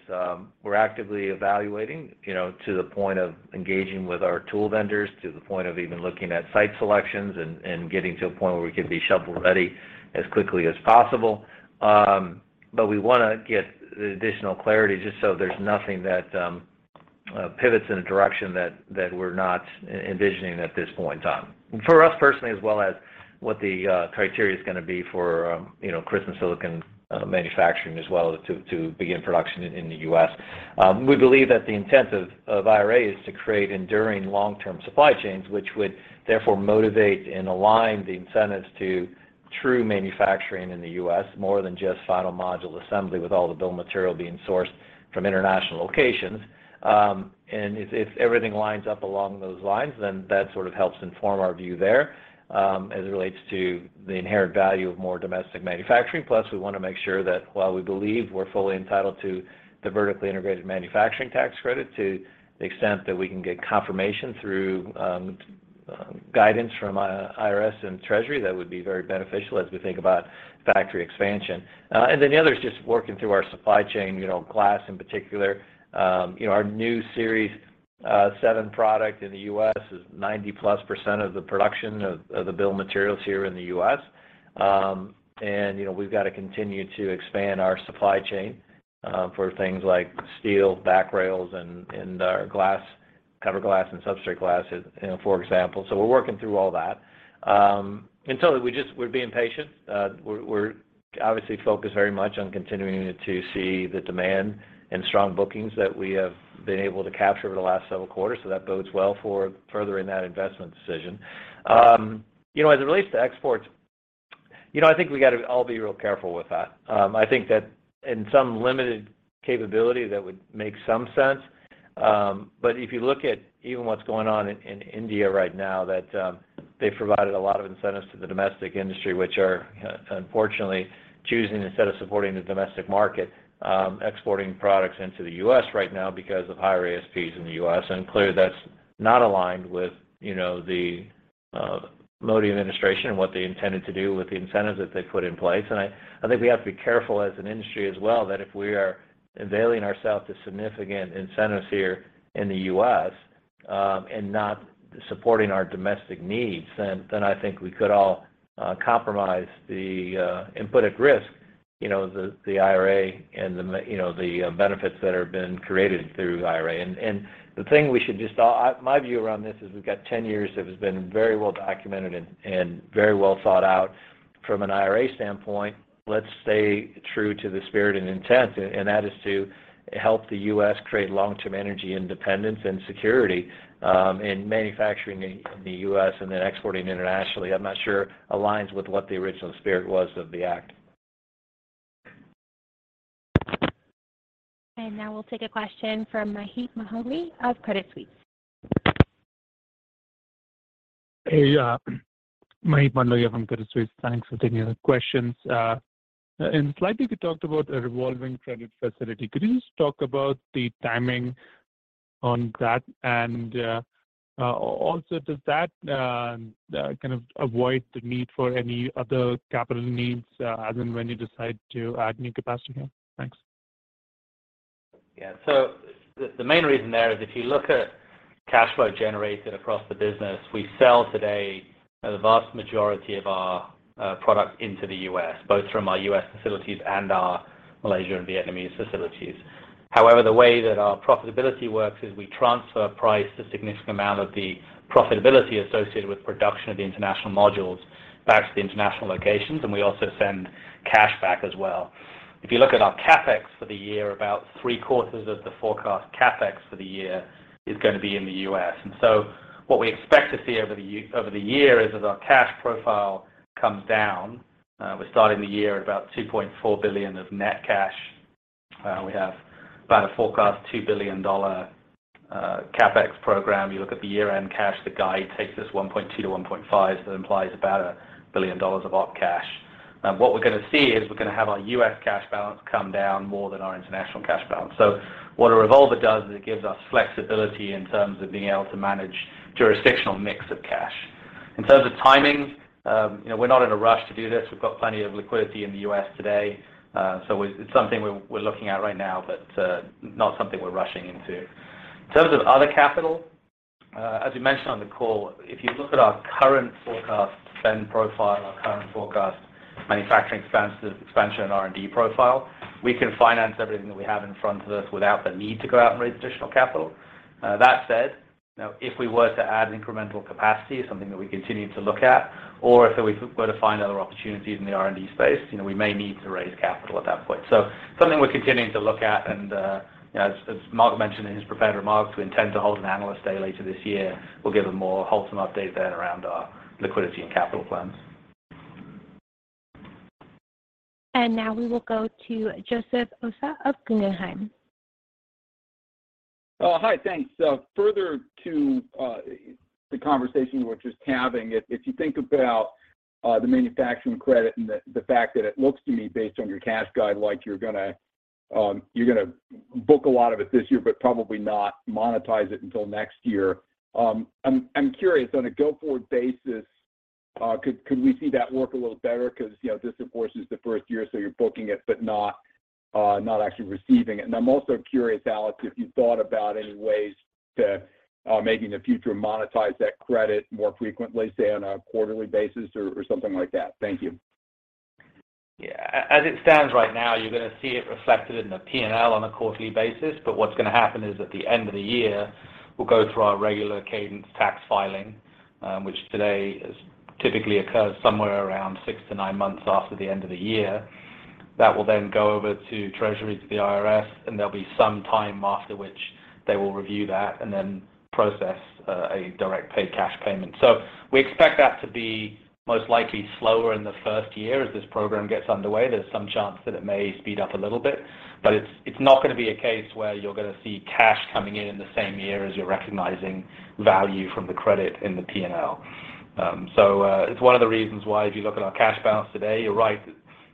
C: we're actively evaluating, you know, to the point of engaging with our tool vendors, to the point of even looking at site selections and getting to a point where we can be shovel-ready as quickly as possible. We want to get the additional clarity just so there's nothing that pivots in a direction that we're not envisioning at this point in time. For us personally, as well as what the criteria is gonna be for, you know, crystalline silicon manufacturing as well to begin production in the U.S. We believe that the intent of IRA is to create enduring long-term supply chains, which would therefore motivate and align the incentives to true manufacturing in the U.S. more than just final module assembly with all the bill of material being sourced from international locations. If everything lines up along those lines, then that sort of helps inform our view there, as it relates to the inherent value of more domestic manufacturing. We wanna make sure that while we believe we're fully entitled to the vertically integrated manufacturing tax credit, to the extent that we can get confirmation through, guidance from IRS and Treasury, that would be very beneficial as we think about factory expansion. The other is just working through our supply chain, you know, glass in particular. You know, our new Series 7 product in the U.S. is 90%+ of the production of the bill of materials here in the U.S. We've got to continue to expand our supply chain, for things like steel back rails and, cover glass and substrate glass, you know, for example. We're working through all that. We're being patient. We're, we're obviously focused very much on continuing to see the demand and strong bookings that we have been able to capture over the last several quarters. That bodes well for furthering that investment decision. You know, as it relates to exports, you know, I think we gotta all be real careful with that. I think that in some limited capability that would make some sense. But if you look at even what's going on in India right now, that, they've provided a lot of incentives to the domestic industry, which are, unfortunately choosing, instead of supporting the domestic market, exporting products into the US right now because of higher ASPs in the US. And clearly, that's not aligned with, you know, the Modi administration and what they intended to do with the incentives that they put in place. I think we have to be careful as an industry as well, that if we are availing ourselves to significant incentives here in the U.S., and not supporting our domestic needs, then I think we could all compromise the, and put at risk, you know, the IRA and you know, the benefits that have been created through IRA. The thing we should just. My view around this is we've got 10 years that has been very well documented and very well thought out from an IRA standpoint. Let's stay true to the spirit and intent, and that is to help the U.S. create long-term energy independence and security, in manufacturing in the U.S. and then exporting internationally. I'm not sure aligns with what the original spirit was of the act.
A: Now we'll take a question from Maheep Mandloi of Credit Suisse.
I: Hey, Maheep Mandloi from Credit Suisse. Thanks for taking the questions. In the slide, you talked about a revolving credit facility. Could you just talk about the timing on that? Also, does that kind of avoid the need for any other capital needs as in when you decide to add new capacity? Thanks.
C: The main reason there is if you look at cash flow generated across the business, we sell today the vast majority of our product into the U.S., both from our U.S. facilities and our Malaysia and Vietnamese facilities. However, the way that our profitability works is we transfer price a significant amount of the profitability associated with production of the international modules back to the international locations, and we also send cash back as well. If you look at our CapEx for the year, about three-quarters of the forecast CapEx for the year is gonna be in the U.S. What we expect to see over the year is as our cash profile comes down, we're starting the year at about $2.4 billion of net cash. We have about a forecast $2 billion CapEx program. You look at the year-end cash, the guide takes us $1.2 billion-$1.5 billion, so that implies about $1 billion of op cash. What we're gonna see is we're gonna have our U.S. cash balance come down more than our international cash balance. What a revolver does is it gives us flexibility in terms of being able to manage jurisdictional mix of cash. In terms of timing, you know, we're not in a rush to do this. We've got plenty of liquidity in the U.S. today. It's something we're looking at right now, but not something we're rushing into. In terms of other capital, as we mentioned on the call, if you look at our current forecast spend profile, our current forecast manufacturing expansion and R&D profile, we can finance everything that we have in front of us without the need to go out and raise additional capital. That said, you know, if we were to add incremental capacity, something that we continue to look at, or if we were to find other opportunities in the R&D space, you know, we may need to raise capital at that point. Something we're continuing to look at and, you know, as Mark mentioned in his prepared remarks, we intend to hold an Analyst Day later this year. We'll give a more wholesome update then around our liquidity and capital plans.
A: Now we will go to Joseph Osha of Guggenheim.
J: Oh, hi. Thanks. Further to the conversation we're just having, if you think about the manufacturing credit and the fact that it looks to me based on your cash guide, like you're gonna book a lot of it this year but probably not monetize it until next year. I'm curious, on a go-forward basis, could we see that work a little better? 'Cause, you know, this of course is the first year, so you're booking it, but not actually receiving it. I'm also curious, Alex, if you thought about any ways to maybe in the future monetize that credit more frequently, say, on a quarterly basis or something like that. Thank you.
D: As it stands right now, you're gonna see it reflected in the P&L on a quarterly basis. What's gonna happen is at the end of the year, we'll go through our regular cadence tax filing, which today typically occurs somewhere around six to nine months after the end of the year. That will then go over to Treasury, to the IRS, and there'll be some time after which they will review that and then process a direct paid cash payment. We expect that to be most likely slower in the 1st year as this program gets underway. There's some chance that it may speed up a little bit, but it's not gonna be a case where you're gonna see cash coming in in the same year as you're recognizing value from the credit in the P&L. It's one of the reasons why if you look at our cash balance today, you're right,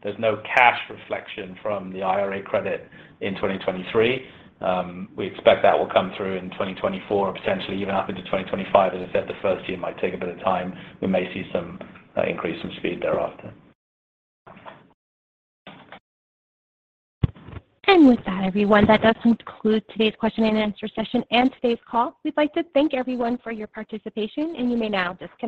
D: there's no cash reflection from the IRA credit in 2023. We expect that will come through in 2024 or potentially even up into 2025. As I said, the first year might take a bit of time. We may see some increase in speed thereafter.
A: With that, everyone, that does conclude today's question and answer session and today's call. We'd like to thank everyone for your participation, and you may now disconnect.